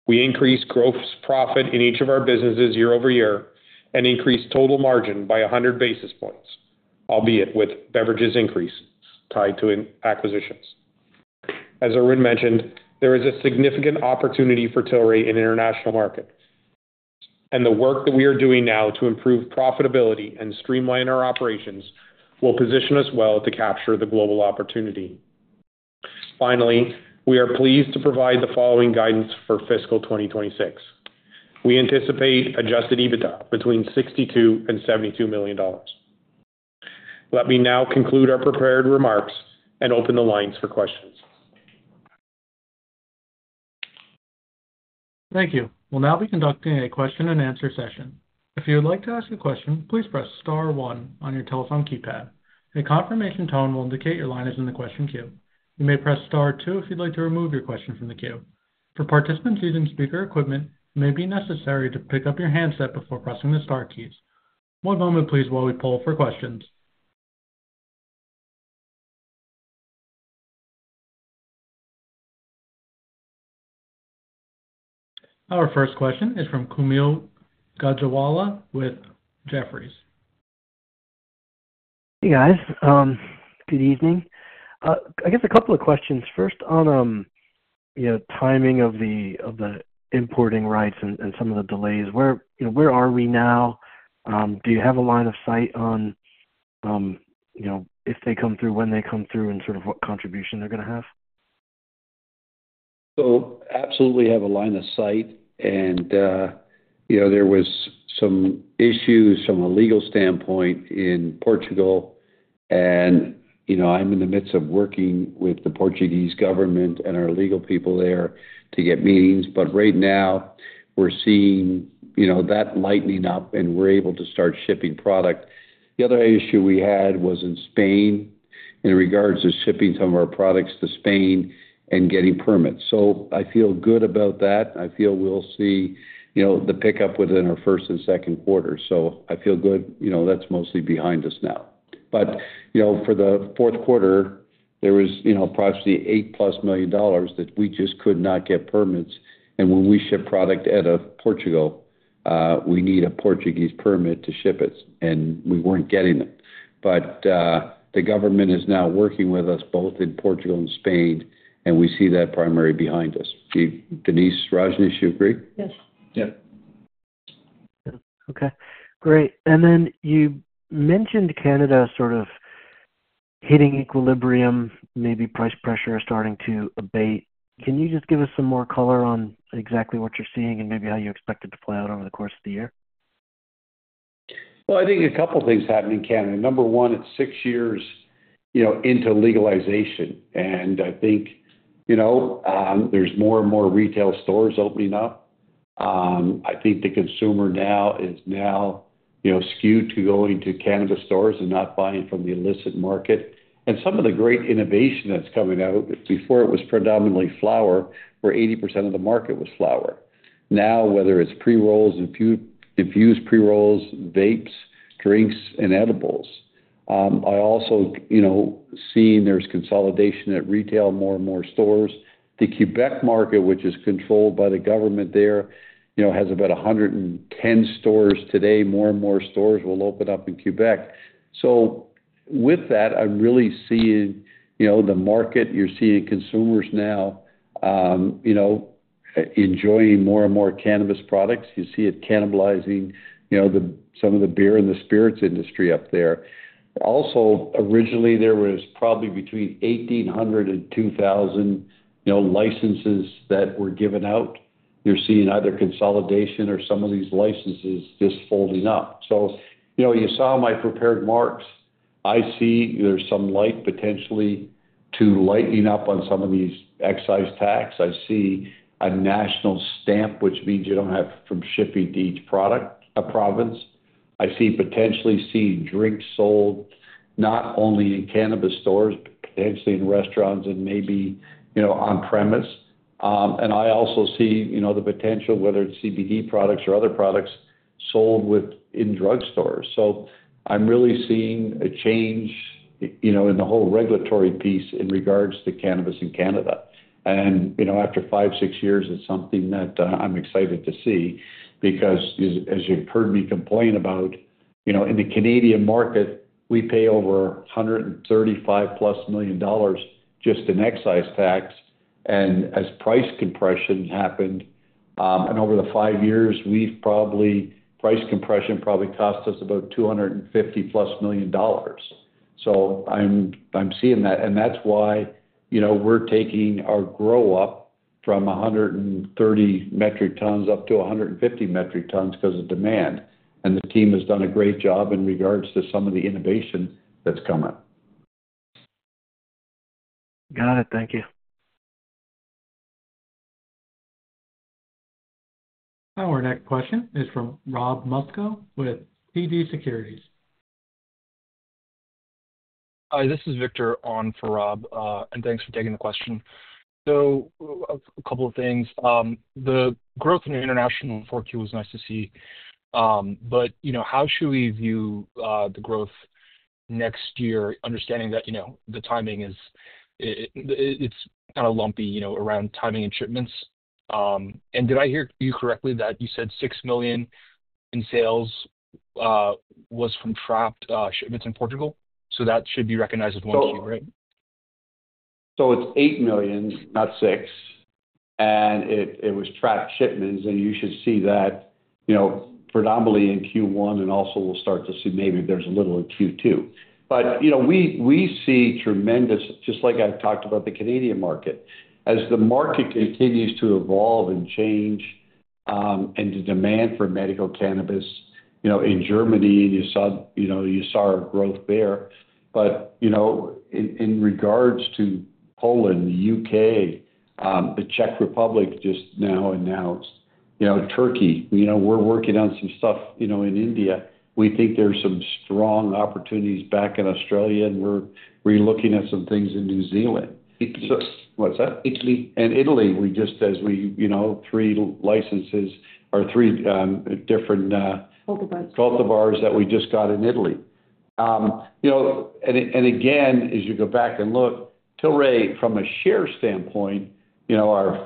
We increased gross profit in each of our businesses year-over-year and increased total margin by 100 basis points, albeit with beverages increases tied to acquisitions. As Irwin mentioned, there is a significant opportunity for Tilray in the international market, and the work that we are doing now to improve profitability and streamline our operations will position us well to capture the global opportunity. Finally, we are pleased to provide the following guidance for fiscal 2026. We anticipate adjusted EBITDA between $62 million and $72 million. Let me now conclude our prepared remarks and open the lines for questions. Thank you. We'll now be conducting a question and answer session. If you would like to ask a question, please press star one on your telephone keypad. A confirmation tone will indicate your line is in the question queue. You may press star two if you'd like to remove your question from the queue. For participants using speaker equipment, it may be necessary to pick up your handset before pressing the star keys. One moment, please, while we poll for questions. Our first question is from Kaumil Gajrawala with Jefferies. Hey, guys. Good evening. I guess a couple of questions. First, on timing of the importing rights and some of the delays, where are we now? Do you have a line of sight on if they come through, when they come through, and sort of what contribution they're going to have? Absolutely, we have a line of sight. There were some issues from a legal standpoint in Portugal. I'm in the midst of working with the Portuguese government and our legal people there to get meetings. Right now, we're seeing that lightening up, and we're able to start shipping product. The other issue we had was in Spain in regards to shipping some of our products to Spain and getting permits. I feel good about that. I feel we'll see the pickup within our first and second quarter. I feel good. That's mostly behind us now. For the fourth quarter, there was approximately $8 million plus that we just could not get permits. When we ship product out of Portugal, we need a Portuguese permit to ship it, and we weren't getting it. The government is now working with us both in Portugal and Spain, and we see that primarily behind us. Denise, Rajnish, you agree? Yes. Yep. Okay. Great. You mentioned Canada sort of hitting equilibrium, maybe price pressure is starting to abate. Can you just give us some more color on exactly what you're seeing and maybe how you expect it to play out over the course of the year? I think a couple of things happened in Canada. Number one, it's six years into legalization. I think there's more and more retail stores opening up. I think the consumer now is skewed to going to cannabis stores and not buying from the illicit market. Some of the great innovation that's coming out, before it was predominantly flower, where 80% of the market was flower. Now, whether it's pre-rolls, infused pre-rolls, vapes, drinks, and edibles, I also see there's consolidation at retail, more and more stores. The Quebec market, which is controlled by the government there, has about 110 stores today. More and more stores will open up in Quebec. With that, I'm really seeing the market. You're seeing consumers now enjoying more and more cannabis products. You see it cannibalizing some of the beer and the spirits industry up there. Originally, there was probably between 1,800 and 2,000 licenses that were given out. You're seeing either consolidation or some of these licenses just folding up. You saw my prepared marks. I see there's some light potentially to lightening up on some of these excise tax. I see a national stamp, which means you don't have from shipping to each product a province. I see potentially seeing drinks sold not only in cannabis stores, but potentially in restaurants and maybe on-premise. I also see the potential, whether it's CBD products or other products sold within drugstores. I'm really seeing a change in the whole regulatory piece in regards to cannabis in Canada. After five, six years, it's something that I'm excited to see because, as you've heard me complain about, in the Canadian market, we pay over $135 million just in excise tax. As price compression happened, and over the five years, price compression probably cost us about $250+ million. I'm seeing that. That's why we're taking our grow-up from 130 metric tons up to 150 metric tons because of demand. The team has done a great job in regards to some of the innovation that's coming. Got it. Thank you. Our next question is from Rob Moskow with TD Cowen. Hi. This is Victor on for Rob, and thanks for taking the question. A couple of things. The growth in your international work was nice to see, but how should we view the growth next year, understanding that the timing is, it's kind of lumpy, you know, around timing and shipments? Did I hear you correctly that you said $6 million in sales was from trapped shipments in Portugal? That should be recognized as 1Q, right? It's $8 million, not $6 million. It was trapped shipments, and you should see that predominantly in Q1, and also we'll start to see maybe there's a little in Q2. We see tremendous, just like I talked about the Canadian market, as the market continues to evolve and change, and the demand for medical cannabis in Germany, and you saw our growth there. In regards to Poland, the U.K., the Czech Republic just now announced, Turkey, we're working on some stuff in India. We think there's some strong opportunities back in Australia, and we're looking at some things in New Zealand. Italy. What's that? Italy. In Italy, we just, as we, you know, three licenses or three different. Cultivars. Cultivars that we just got in Italy. You know, as you go back and look, Tilray, from a share standpoint, our 5%,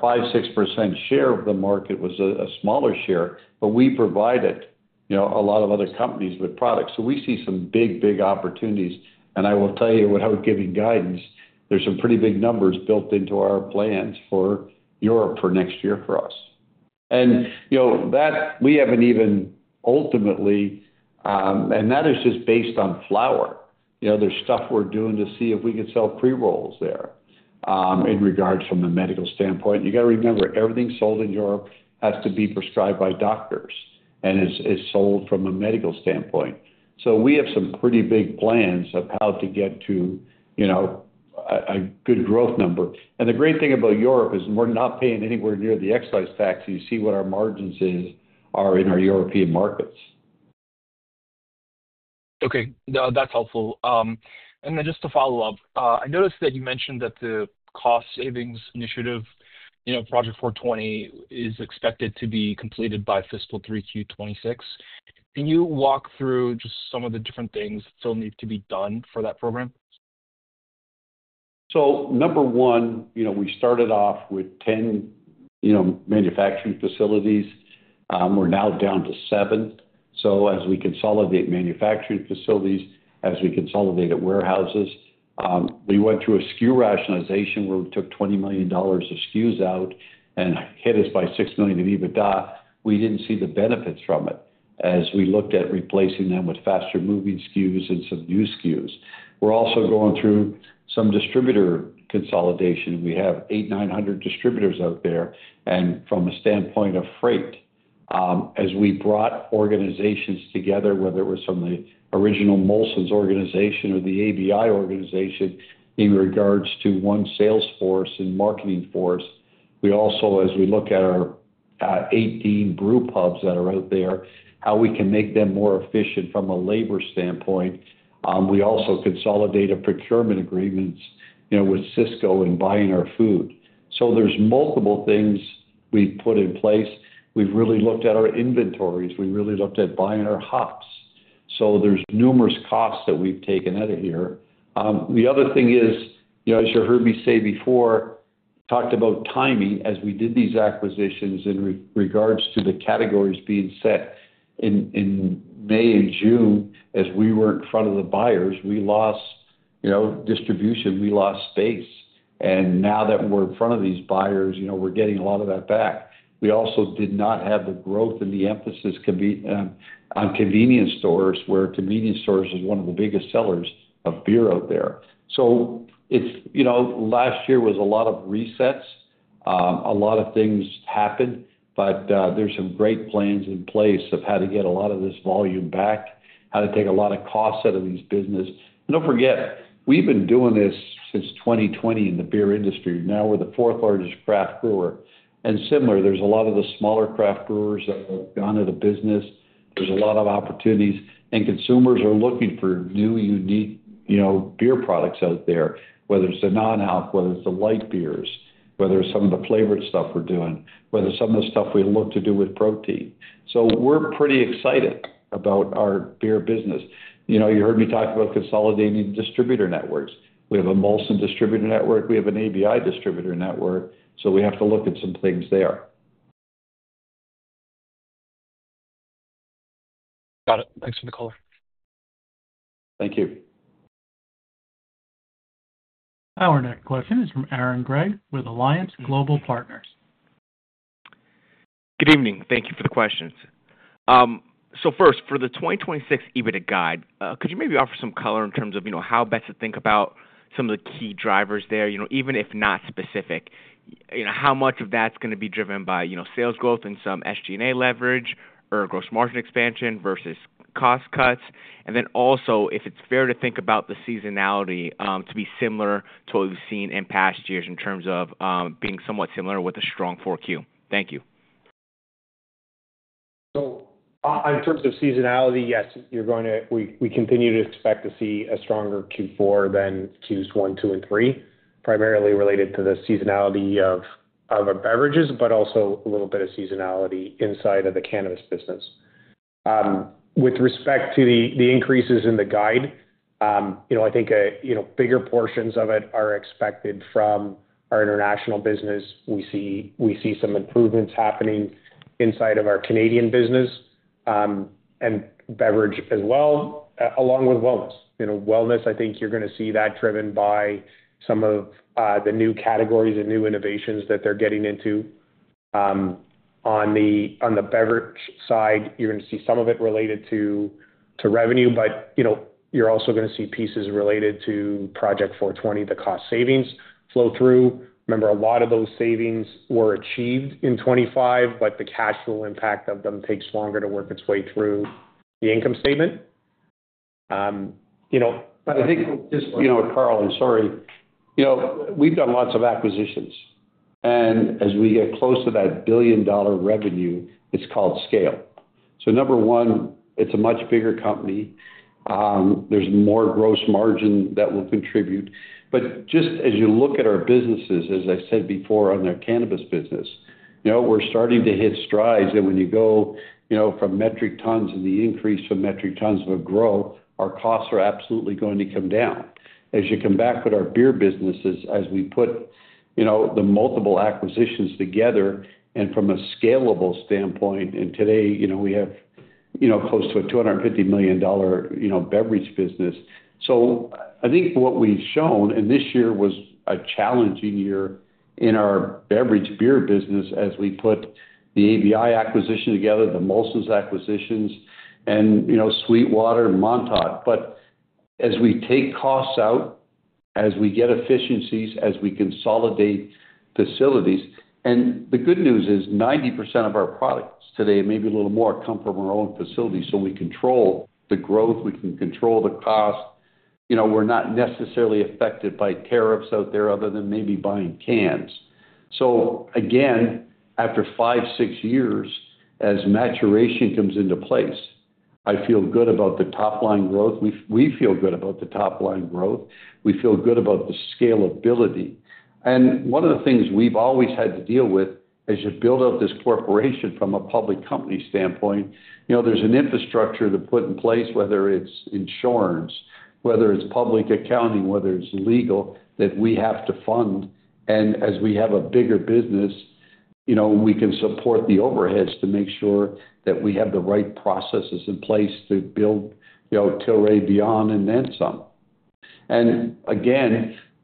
6% share of the market was a smaller share, but we provided a lot of other companies with products. We see some big, big opportunities. I will tell you, without giving guidance, there's some pretty big numbers built into our plans for Europe for next year for us. That we haven't even ultimately, and that is just based on flower. There's stuff we're doing to see if we could sell pre-rolls there in regards from the medical standpoint. You got to remember, everything sold in Europe has to be prescribed by doctors and is sold from a medical standpoint. We have some pretty big plans of how to get to a good growth number. The great thing about Europe is we're not paying anywhere near the excise tax. You see what our margins are in our European markets. Okay. No, that's helpful. Just to follow up, I noticed that you mentioned that the cost savings initiative, you know, Project 420, is expected to be completed by fiscal 3Q 2026. Can you walk through just some of the different things that still need to be done for that program? Number one, we started off with 10 manufacturing facilities. We're now down to seven. As we consolidate manufacturing facilities and warehouses, we went through a SKU rationalization where we took $20 million of SKUs out and it hit us by $6 million of EBITDA. We didn't see the benefits from it as we looked at replacing them with faster-moving SKUs and some new SKUs. We're also going through some distributor consolidation. We have 800, 900 distributors out there. From a standpoint of freight, as we brought organizations together, whether it was from the original Molson organization or the ABI organization, in regards to one sales force and marketing force, we also, as we look at our 18 brewpubs that are out there, consider how we can make them more efficient from a labor standpoint. We also consolidated procurement agreements with Sysco and buying our food. There are multiple things we've put in place. We've really looked at our inventories. We really looked at buying our hops. There are numerous costs that we've taken out of here. The other thing is, as you heard me say before, I talked about timing as we did these acquisitions in regards to the categories being set. In May and June, as we were in front of the buyers, we lost distribution. We lost space. Now that we're in front of these buyers, we're getting a lot of that back. We also did not have the growth and the emphasis on convenience stores, where convenience stores are one of the biggest sellers of beer out there. Last year was a lot of resets. A lot of things happened, but there are some great plans in place for how to get a lot of this volume back and how to take a lot of costs out of these businesses. Don't forget, we've been doing this since 2020 in the beer industry. Now we're the fourth largest craft brewer. Similarly, there are a lot of the smaller craft brewers that have gone out of business. There are a lot of opportunities, and consumers are looking for new, unique beer products out there, whether it's the non-alk, whether it's the light beers, whether it's some of the flavored stuff we're doing, or whether it's some of the stuff we look to do with protein. We're pretty excited about our beer business. You heard me talk about consolidating distributor networks. We have a Molson distributor network. We have an ABI distributor network. We have to look at some things there. Got it. Thanks for the call. Thank you. Our next question is from Aaron Grey with Alliance Global Partners. Good evening. Thank you for the questions. For the 2026 EBITDA guide, could you maybe offer some color in terms of how best to think about some of the key drivers there, even if not specific, how much of that's going to be driven by sales growth and some SG&A leverage or gross margin expansion versus cost cuts? Also, if it's fair to think about the seasonality to be similar to what we've seen in past years in terms of being somewhat similar with a strong Q4. Thank you. In terms of seasonality, yes, we continue to expect to see a stronger Q4 than Q1, Q2, and Q3, primarily related to the seasonality of our beverages, but also a little bit of seasonality inside of the cannabis business. With respect to the increases in the guide, bigger portions of it are expected from our international business. We see some improvements happening inside of our Canadian business and beverage as well, along with wellness. Wellness, I think you're going to see that driven by some of the new categories and new innovations that they're getting into. On the beverage side, you're going to see some of it related to revenue, but you're also going to see pieces related to Project 420, the cost savings flow through. Remember, a lot of those savings were achieved in 2025, but the cash flow impact of them takes longer to work its way through the income statement. I think just, you know, Carl, I'm sorry. We've done lots of acquisitions. As we get close to that billion-dollar revenue, it's called scale. Number one, it's a much bigger company. There's more gross margin that will contribute. Just as you look at our businesses, as I said before on the cannabis business, we're starting to hit strides. When you go from metric tons and the increase to metric tons of growth, our costs are absolutely going to come down. As you come back with our beer businesses, as we put the multiple acquisitions together, and from a scalable standpoint, today we have close to a $250 million beverage business. I think what we've shown, and this year was a challenging year in our beverage beer business, as we put the ABI acquisition together, the Molson's acquisitions, and Sweetwater and Montauk. As we take costs out, as we get efficiencies, as we consolidate facilities, the good news is 90% of our products today, maybe a little more, come from our own facilities. We control the growth. We can control the cost. We're not necessarily affected by tariffs out there other than maybe buying cans. After five, six years, as maturation comes into place, I feel good about the top line growth. We feel good about the top line growth. We feel good about the scalability. One of the things we've always had to deal with as you build up this corporation from a public company standpoint, there's an infrastructure to put in place, whether it's insurance, whether it's public accounting, whether it's legal, that we have to fund. As we have a bigger business, we can support the overheads to make sure that we have the right processes in place to build Tilray beyond and then some.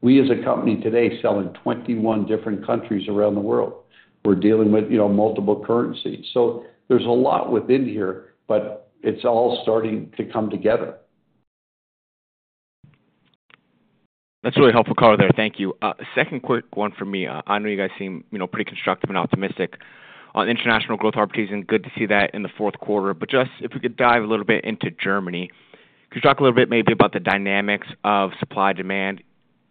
We as a company today sell in 21 different countries around the world. We're dealing with multiple currencies. There's a lot within here, but it's all starting to come together. That's a really helpful call there. Thank you. Second quick one from me. I know you guys seem pretty constructive and optimistic on the international growth opportunities, and good to see that in the fourth quarter. If we could dive a little bit into Germany, could you talk a little bit maybe about the dynamics of supply-demand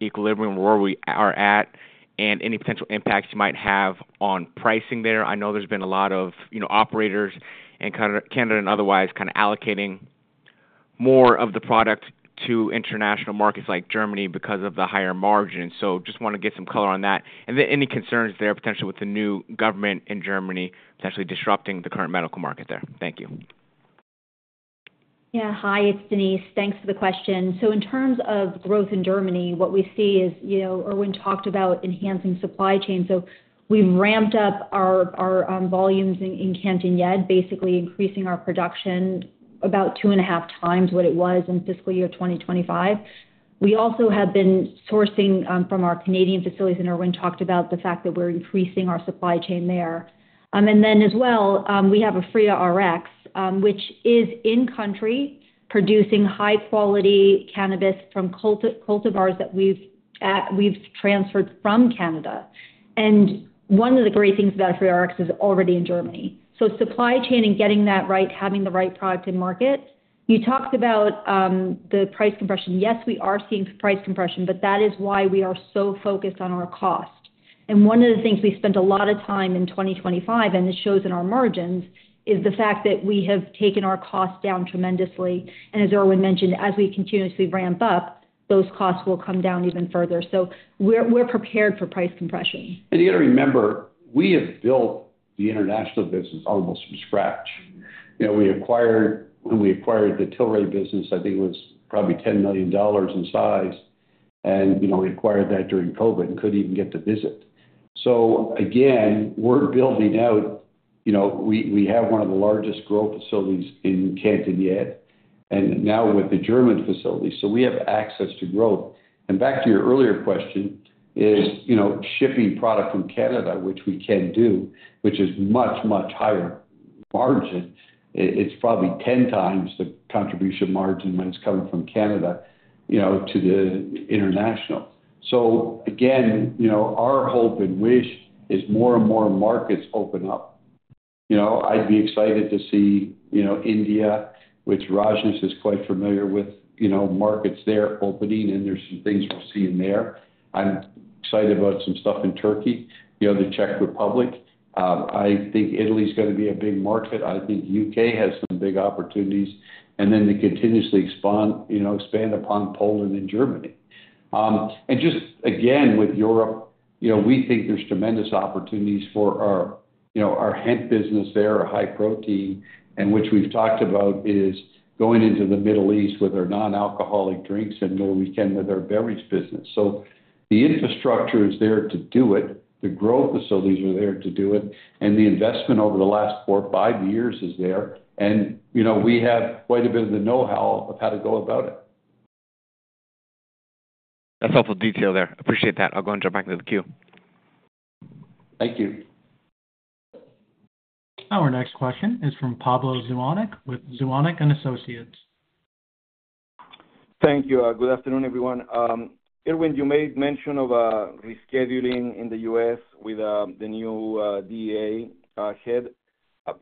equilibrium, where we are at, and any potential impacts you might have on pricing there? I know there's been a lot of operators in Canada and otherwise kind of allocating more of the product to international markets like Germany because of the higher margins. I just want to get some color on that. Any concerns there potentially with the new government in Germany potentially disrupting the current medical market there? Thank you. Yeah. Hi. It's Denise. Thanks for the question. In terms of growth in Germany, what we see is, you know, Irwin talked about enhancing supply chains. We've ramped up our volumes in [Cantan Yad], basically increasing our production about 2.5x what it was in fiscal year 2025. We also have been sourcing from our Canadian facilities, and Irwin talked about the fact that we're increasing our supply chain there. As well, we have Aphria RX, which is in-country producing high-quality cannabis from cultivars that we've transferred from Canada. One of the great things about Aphria is it's already in Germany. Supply chain and getting that right, having the right product in market. You talked about the price compression. Yes, we are seeing price compression, but that is why we are so focused on our cost. One of the things we spent a lot of time in 2025, and it shows in our margins, is the fact that we have taken our costs down tremendously. As Irwin mentioned, as we continuously ramp up, those costs will come down even further. We're prepared for price compression. You got to remember, we have built the international business almost from scratch. We acquired the Tilray business, I think it was probably $10 million in size. We acquired that during COVID and couldn't even get to visit. We are building out, we have one of the largest grow facilities in Canada, and now with the German facility, we have access to growth. Back to your earlier question, shipping product from Canada, which we can do, is much, much higher margin. It's probably 10 times the contribution margin that's coming from Canada to the international. Our hope and wish is more and more markets open up. I'd be excited to see India, which Rajnish is quite familiar with, markets there opening, and there's some things we'll see in there. I'm excited about some stuff in Turkey, the Czech Republic. I think Italy's going to be a big market. I think the U.K. has some big opportunities. To continuously expand upon Poland and Germany, and just again, with Europe, we think there's tremendous opportunities for our hemp business there, our high protein, and which we've talked about is going into the Middle East with our non-alcoholic drinks and where we can with our beverage business. The infrastructure is there to do it. The grow facilities are there to do it. The investment over the last four or five years is there. We have quite a bit of the know-how of how to go about it. That's helpful detail there. Appreciate that. We're Back in the queue. Thank you. Our next question is from Pablo Zuanic with Zuanic & Associates. Thank you. Good afternoon, everyone. Irwin, you made mention of rescheduling in the U.S. with the new DA head.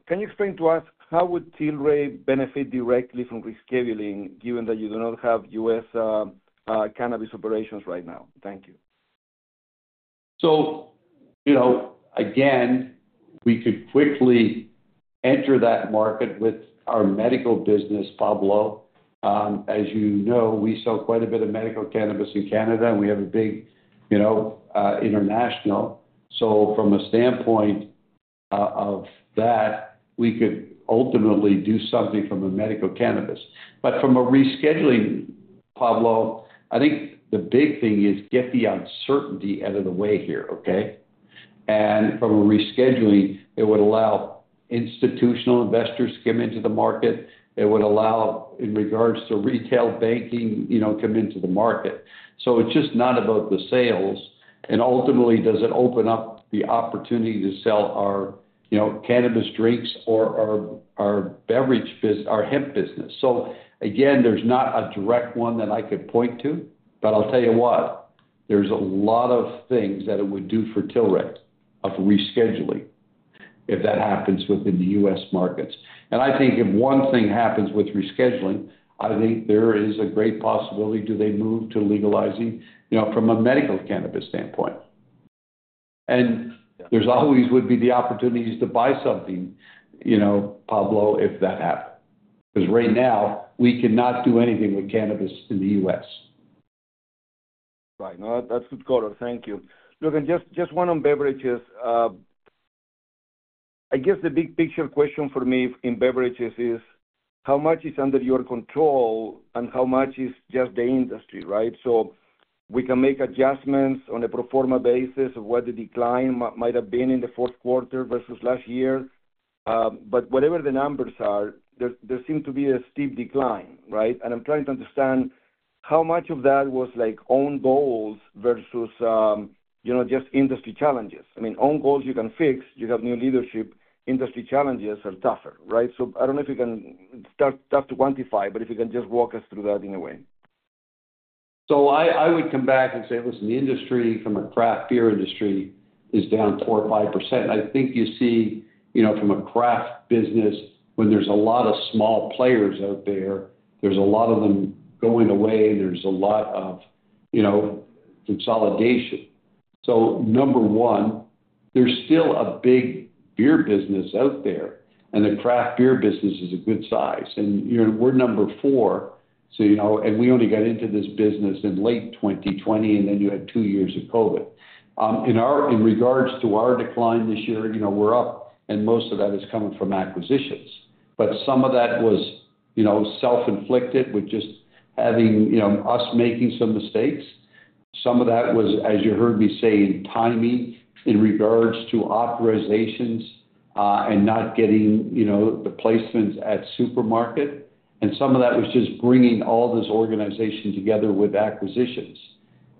Can you explain to us how would Tilray benefit directly from rescheduling, given that you do not have U.S. cannabis operations right now? Thank you. You know, we could quickly enter that market with our medical business, Pablo. As you know, we sell quite a bit of medical cannabis in Canada, and we have a big international presence. From a standpoint of that, we could ultimately do something from a medical cannabis perspective. From a rescheduling, Pablo, the big thing is get the uncertainty out of the way here, OK? From a rescheduling, it would allow institutional investors to come into the market. It would allow, in regards to retail banking, to come into the market. It's just not about the sales. Ultimately, does it open up the opportunity to sell our cannabis drinks or our beverage business, our hemp business? There's not a direct one that I could point to. I'll tell you what, there's a lot of things that it would do for Tilray if rescheduling happens within the U.S. markets. If one thing happens with rescheduling, there is a great possibility to move to legalizing from a medical cannabis standpoint. There always would be the opportunities to buy something, Pablo, if that happened. Right now, we cannot do anything with cannabis in the U.S. Right. No, that's good color. Thank you. Look, just one on beverages. I guess the big picture question for me in beverages is how much is under your control and how much is just the industry, right? We can make adjustments on a pro forma basis of what the decline might have been in the fourth quarter versus last year. Whatever the numbers are, there seems to be a steep decline, right? I'm trying to understand how much of that was like own goals versus just industry challenges. I mean, own goals you can fix. You have new leadership. Industry challenges are tougher, right? I don't know if you can start to quantify, but if you can just walk us through that in a way. I would come back and say, listen, the industry from a craft beer industry is down 4% or 5%. I think you see, from a craft business, when there's a lot of small players out there, there's a lot of them going away. There's a lot of consolidation. Number one, there's still a big beer business out there, and the craft beer business is a good size. We're number four. We only got into this business in late 2020, and then you had two years of COVID. In regards to our decline this year, we're up, and most of that is coming from acquisitions. Some of that was self-inflicted with just having us making some mistakes. Some of that was, as you heard me say, in timing in regards to authorizations and not getting the placements at supermarkets. Some of that was just bringing all this organization together with acquisitions.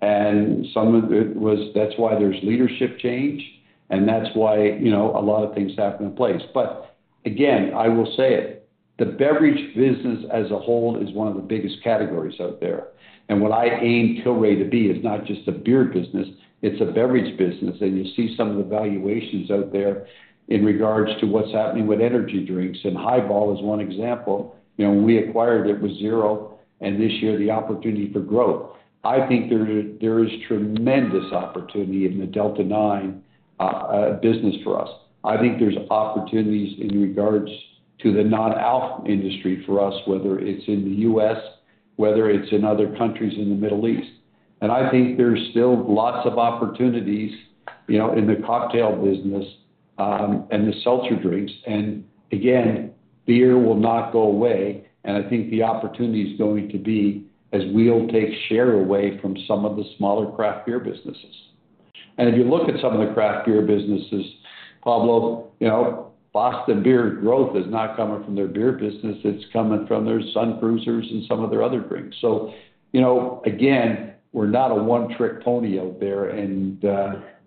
Some of it was that's why there's leadership change, and that's why a lot of things happen in place. Again, I will say it. The beverage business as a whole is one of the biggest categories out there. What I aim Tilray to be is not just a beer business. It's a beverage business. You see some of the valuations out there in regards to what's happening with energy drinks, and Hi-Ball is one example. When we acquired it, it was zero, and this year, the opportunity for growth. I think there is tremendous opportunity in the Delta 9 business for us. I think there's opportunities in regards to the non-alc industry for us, whether it's in the U.S., whether it's in other countries in the Middle East. I think there's still lots of opportunities in the cocktail business and the seltzer drinks. Beer will not go away. I think the opportunity is going to be as we'll take share away from some of the smaller craft beer businesses. If you look at some of the craft beer businesses, Pablo, Boston Beer growth is not coming from their beer business. It's coming from their Sun Cruisers and some of their other drinks. We're not a one-trick pony out there, and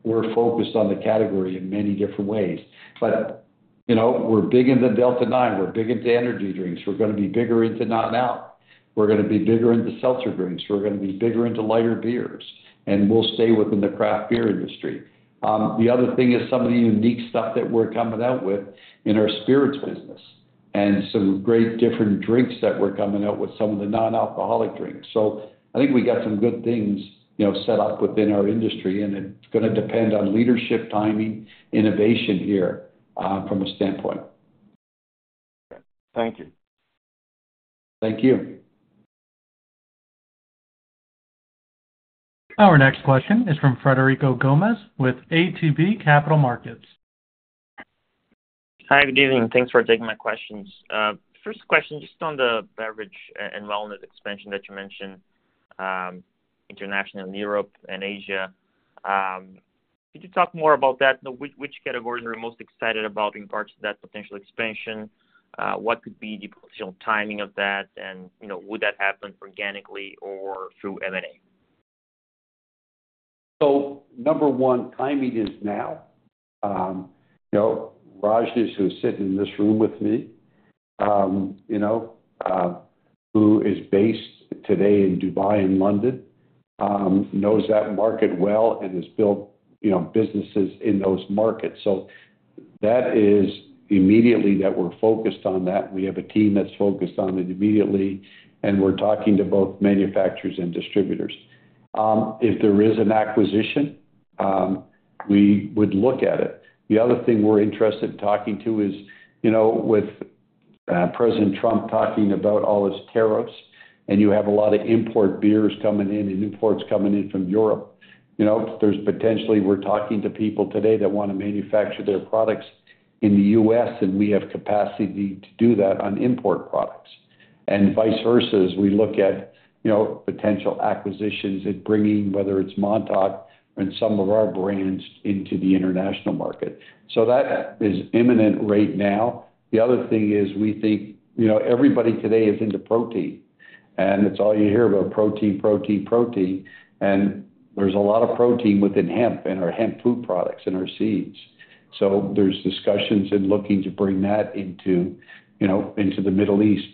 we're focused on the category in many different ways. We're big into Delta 9. We're big into energy drinks. We're going to be bigger into non-alc. We're going to be bigger into seltzer drinks. We're going to be bigger into lighter beers. We'll stay within the craft beer industry. The other thing is some of the unique stuff that we're coming out with in our spirits business, and some great different drinks that we're coming out with, some of the non-alcoholic drinks. I think we got some good things set up within our industry, and it's going to depend on leadership, timing, innovation here from a standpoint. Thank you. Thank you. Our next question is from Frederico Gomes with ATB Capital Markets. Hi, good evening. Thanks for taking my questions. First question, just on the beverage and wellness expansion that you mentioned, international in Europe and Asia. Could you talk more about that? Which categories are you most excited about being part of that potential expansion? What could be the potential timing of that? Would that happen organically or through M&A? Number one, timing is now. Rajnish, who's sitting in this room with me, who is based today in Dubai and London, knows that market well and has built businesses in those markets. That is immediately that we're focused on that. We have a team that's focused on it immediately, and we're talking to both manufacturers and distributors. If there is an acquisition, we would look at it. The other thing we're interested in talking to is, with President Trump talking about all his tariffs, and you have a lot of import beers coming in and imports coming in from Europe, there's potentially, we're talking to people today that want to manufacture their products in the U.S. We have capacity to do that on import products. Vice versa, as we look at potential acquisitions and bringing whether it's Montauk or some of our brands into the international market, that is imminent right now. The other thing is we think everybody today is into protein, and it's all you hear about, protein, protein, protein. There's a lot of protein within hemp and our hemp food products and our seeds. There's discussions in looking to bring that into the Middle East.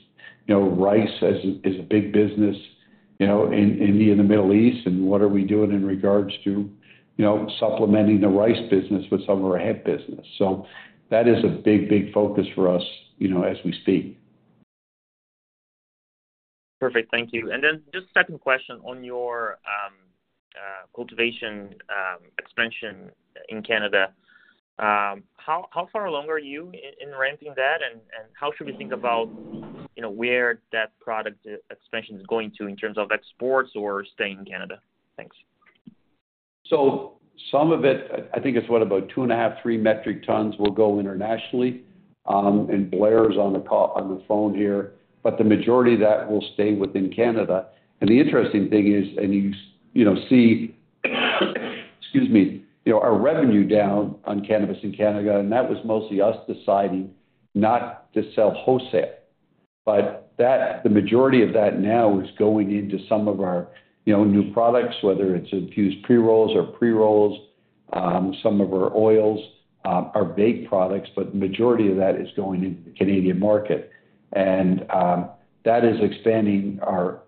Rice is a big business in India, in the Middle East, and what are we doing in regards to supplementing the rice business with some of our hemp business? That is a big, big focus for us as we speak. Perfect. Thank you. Just a second question on your cultivation expansion in Canada. How far along are you in ramping that? How should we think about where that product expansion is going to in terms of exports or staying in Canada? Thanks. Some of it, I think it's about 2.5, 3 metric tons will go internationally. Blair is on the phone here. The majority of that will stay within Canada. The interesting thing is, you see our revenue down on cannabis in Canada. That was mostly us deciding not to sell wholesale. The majority of that now is going into some of our new products, whether it's infused pre-rolls or pre-rolls, some of our oils, our vape products. The majority of that is going into the Canadian market. That is expanding our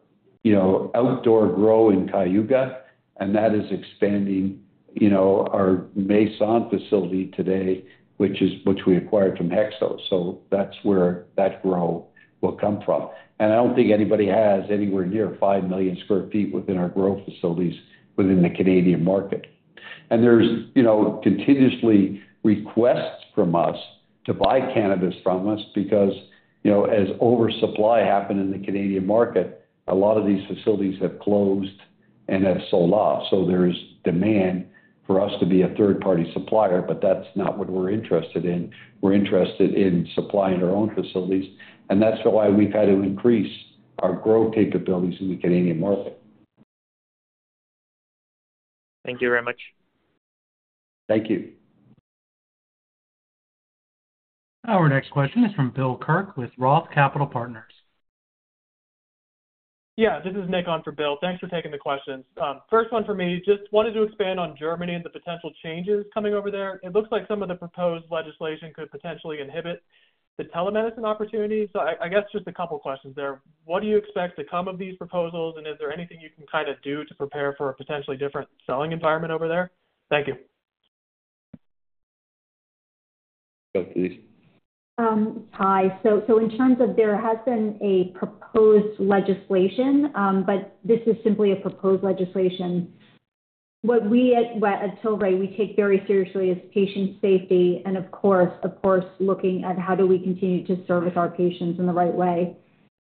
outdoor grow in Cayuga. That is expanding our Maison facility today, which we acquired from HEXO. That's where that grow will come from. I don't think anybody has anywhere near 5 million sq ft within our grow facilities within the Canadian market. There are continuously requests from us to buy cannabis from us because, as oversupply happened in the Canadian market, a lot of these facilities have closed and have sold off. There is demand for us to be a third-party supplier. That's not what we're interested in. We're interested in supplying our own facilities. That's why we've had to increase our growth capabilities in the Canadian market. Thank you very much. Thank you. Our next question is from Bill Kirk with ROTH Capital Partners. Yeah, this is Nick on for Bill. Thanks for taking the question. First one for me, just wanted to expand on Germany and the potential changes coming over there. It looks like some of the proposed legislation could potentially inhibit the telemedicine opportunity. I guess just a couple of questions there. What do you expect to come of these proposals? Is there anything you can kind of do to prepare for a potentially different selling environment over there? Thank you. Hi. In terms of there has been a proposed legislation, but this is simply a proposed legislation. What we at Tilray, we take very seriously is patient safety. Of course, looking at how do we continue to service our patients in the right way.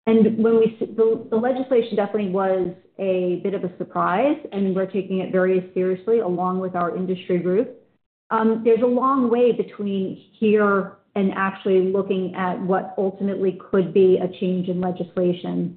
When we see the legislation, it definitely was a bit of a surprise. We're taking it very seriously along with our industry group. There's a long way between here and actually looking at what ultimately could be a change in legislation.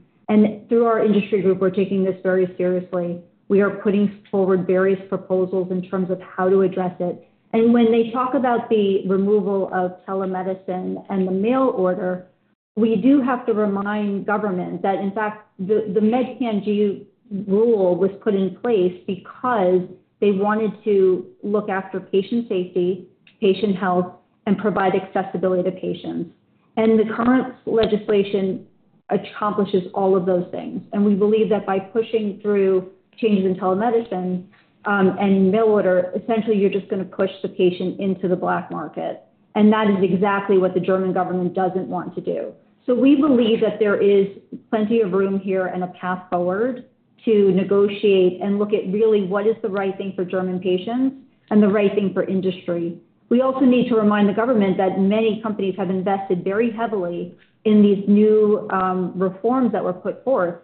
Through our industry group, we're taking this very seriously. We are putting forward various proposals in terms of how to address it. When they talk about the removal of telemedicine and the mail order, we do have to remind government that, in fact, the MedCanG rule was put in place because they wanted to look after patient safety, patient health, and provide accessibility to patients. The current legislation accomplishes all of those things. We believe that by pushing through changes in telemedicine and mail order, essentially, you're just going to push the patient into the black market. That is exactly what the German government doesn't want to do. We believe that there is plenty of room here and a path forward to negotiate and look at really what is the right thing for German patients and the right thing for industry. We also need to remind the government that many companies have invested very heavily in these new reforms that were put forth.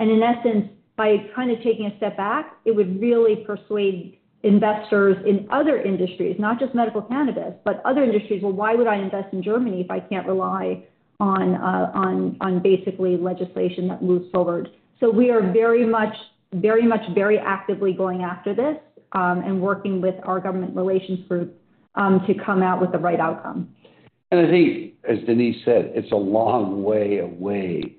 In essence, by kind of taking a step back, it would really persuade investors in other industries, not just medical cannabis, but other industries. Why would I invest in Germany if I can't rely on basically legislation that moves forward? We are very much, very much, very actively going after this and working with our government relations group to come out with the right outcome. As Denise said, it's a long way away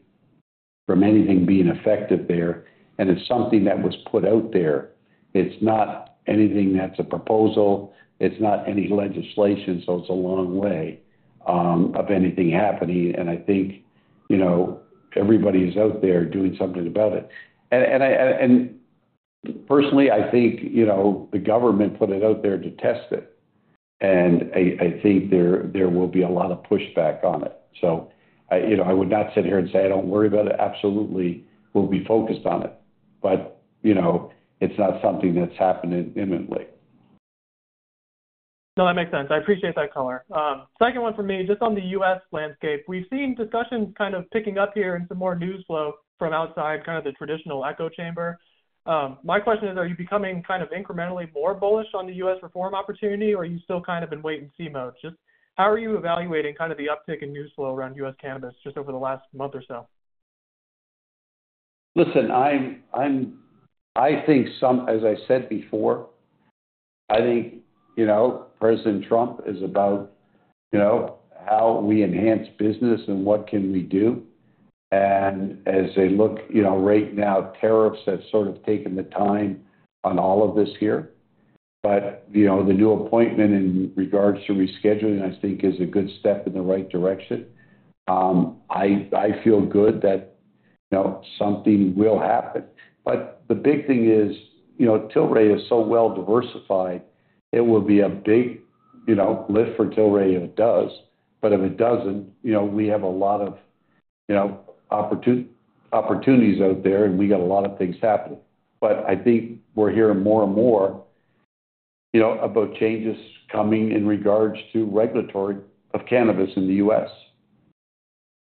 from anything being effective there. It's something that was put out there. It's not anything that's a proposal. It's not any legislation. It's a long way of anything happening. I think everybody is out there doing something about it. Personally, I think the government put it out there to test it. I think there will be a lot of pushback on it. I would not sit here and say I don't worry about it. Absolutely, we'll be focused on it. It's not something that's happening imminently. No, that makes sense. I appreciate that color. Second one for me, just on the U.S. landscape. We've seen discussion picking up here and some more news flow from outside the traditional echo chamber. My question is, are you becoming incrementally more bullish on the U.S. reform opportunity, or are you still in wait-and-see mode? Just how are you evaluating the uptick in news flow around U.S. cannabis over the last month or so? Listen, I think, as I said before, I think, you know, President Trump is about, you know, how we enhance business and what can we do. As they look, you know, right now, tariffs have sort of taken the time on all of this here. You know, the new appointment in regards to rescheduling, I think, is a good step in the right direction. I feel good that, you know, something will happen. The big thing is, you know, Tilray is so well diversified, it will be a big, you know, lift for Tilray if it does. If it doesn't, you know, we have a lot of, you know, opportunities out there. We got a lot of things happening. I think we're hearing more and more, you know, about changes coming in regards to regulatory developments of cannabis in the U.S.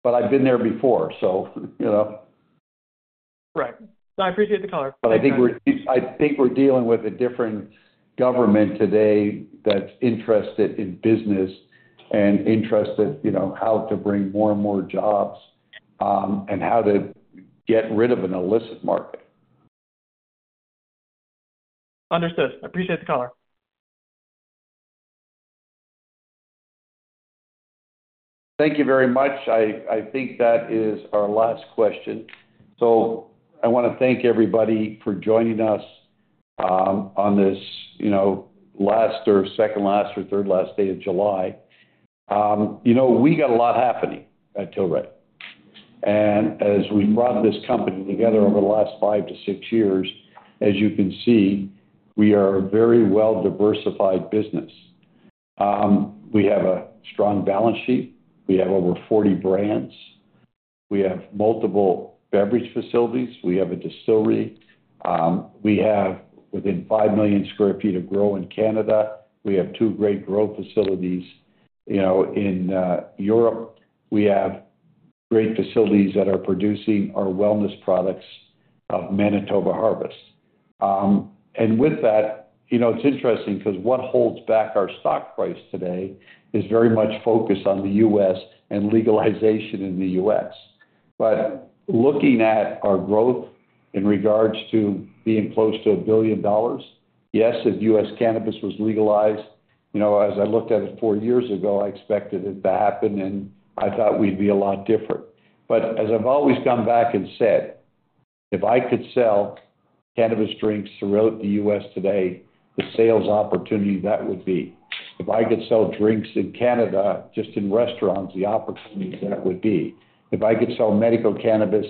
I've been there before, so, you know. Right. No, I appreciate the color. I think we're dealing with a different government today that's interested in business and interested in how to bring more and more jobs and how to get rid of an illicit market. Understood. Appreciate the color. Thank you very much. I think that is our last question. I want to thank everybody for joining us on this last or second last or third last day of July. We got a lot happening at Tilray. As we run this company together over the last five to six years, as you can see, we are a very well-diversified business. We have a strong balance sheet. We have over 40 brands. We have multiple beverage facilities. We have a distillery. We have within 5 million sq ft of grow in Canada. We have two great grow facilities in Europe. We have great facilities that are producing our wellness products of Manitoba Harvest. With that, it's interesting because what holds back our stock price today is very much focused on the U.S. and legalization in the U.S. Looking at our growth in regards to being close to $1 billion, yes, if U.S. cannabis was legalized, as I looked at it four years ago, I expected it to happen. I thought we'd be a lot different. As I've always come back and said, if I could sell cannabis drinks throughout the U.S. today, the sales opportunity that would be. If I could sell drinks in Canada just in restaurants, the opportunities that would be. If I could sell medical cannabis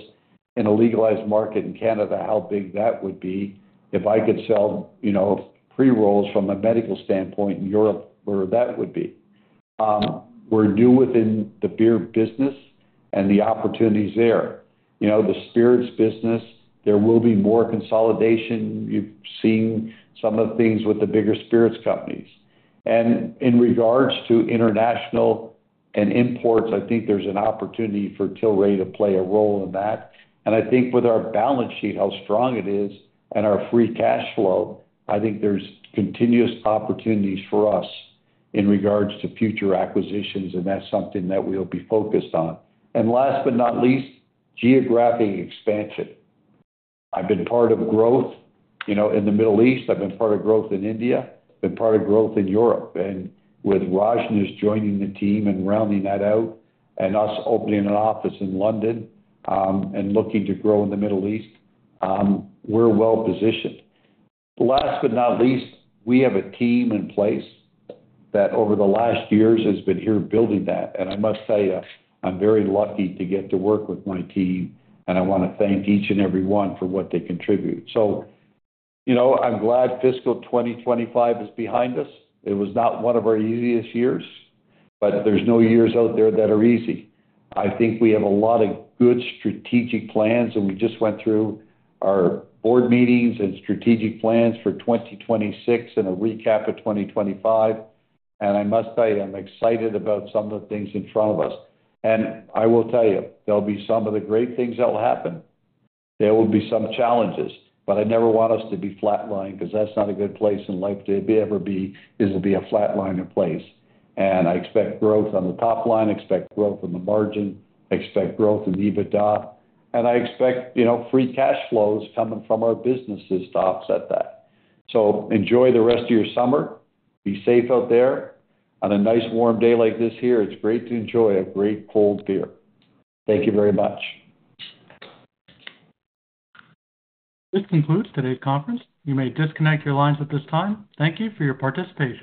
in a legalized market in Canada, how big that would be. If I could sell pre-rolls from a medical standpoint in Europe, where that would be. We're new within the beer business and the opportunities there. The spirits business, there will be more consolidation. You've seen some of the things with the bigger spirits companies. In regards to international and imports, I think there's an opportunity for Tilray to play a role in that. I think with our balance sheet, how strong it is, and our free cash flow, I think there's continuous opportunities for us in regards to future acquisitions. That's something that we'll be focused on. Last but not least, geographic expansion. I've been part of growth in the Middle East. I've been part of growth in India. I've been part of growth in Europe. With Rajnish joining the team and rounding that out and us opening an office in London, and looking to grow in the Middle East, we're well positioned. Last but not least, we have a team in place that over the last years has been here building that. I must say, I'm very lucky to get to work with my team. I want to thank each and every one for what they contribute. I'm glad fiscal 2025 is behind us. It was not one of our easiest years, but there's no years out there that are easy. I think we have a lot of good strategic plans. We just went through our board meetings and strategic plans for 2026 and a recap of 2025. I must tell you, I'm excited about some of the things in front of us. I will tell you, there'll be some of the great things that will happen. There will be some challenges. I never want us to be flatlined because that's not a good place in life to ever be. This will be a flatlined place. I expect growth on the top line. I expect growth in the margin. I expect growth in EBITDA. I expect free cash flows coming from our businesses to offset that. Enjoy the rest of your summer. Be safe out there. On a nice warm day like this here, it's great to enjoy a great cold beer. Thank you very much. This concludes today's conference. You may disconnect your lines at this time. Thank you for your participation.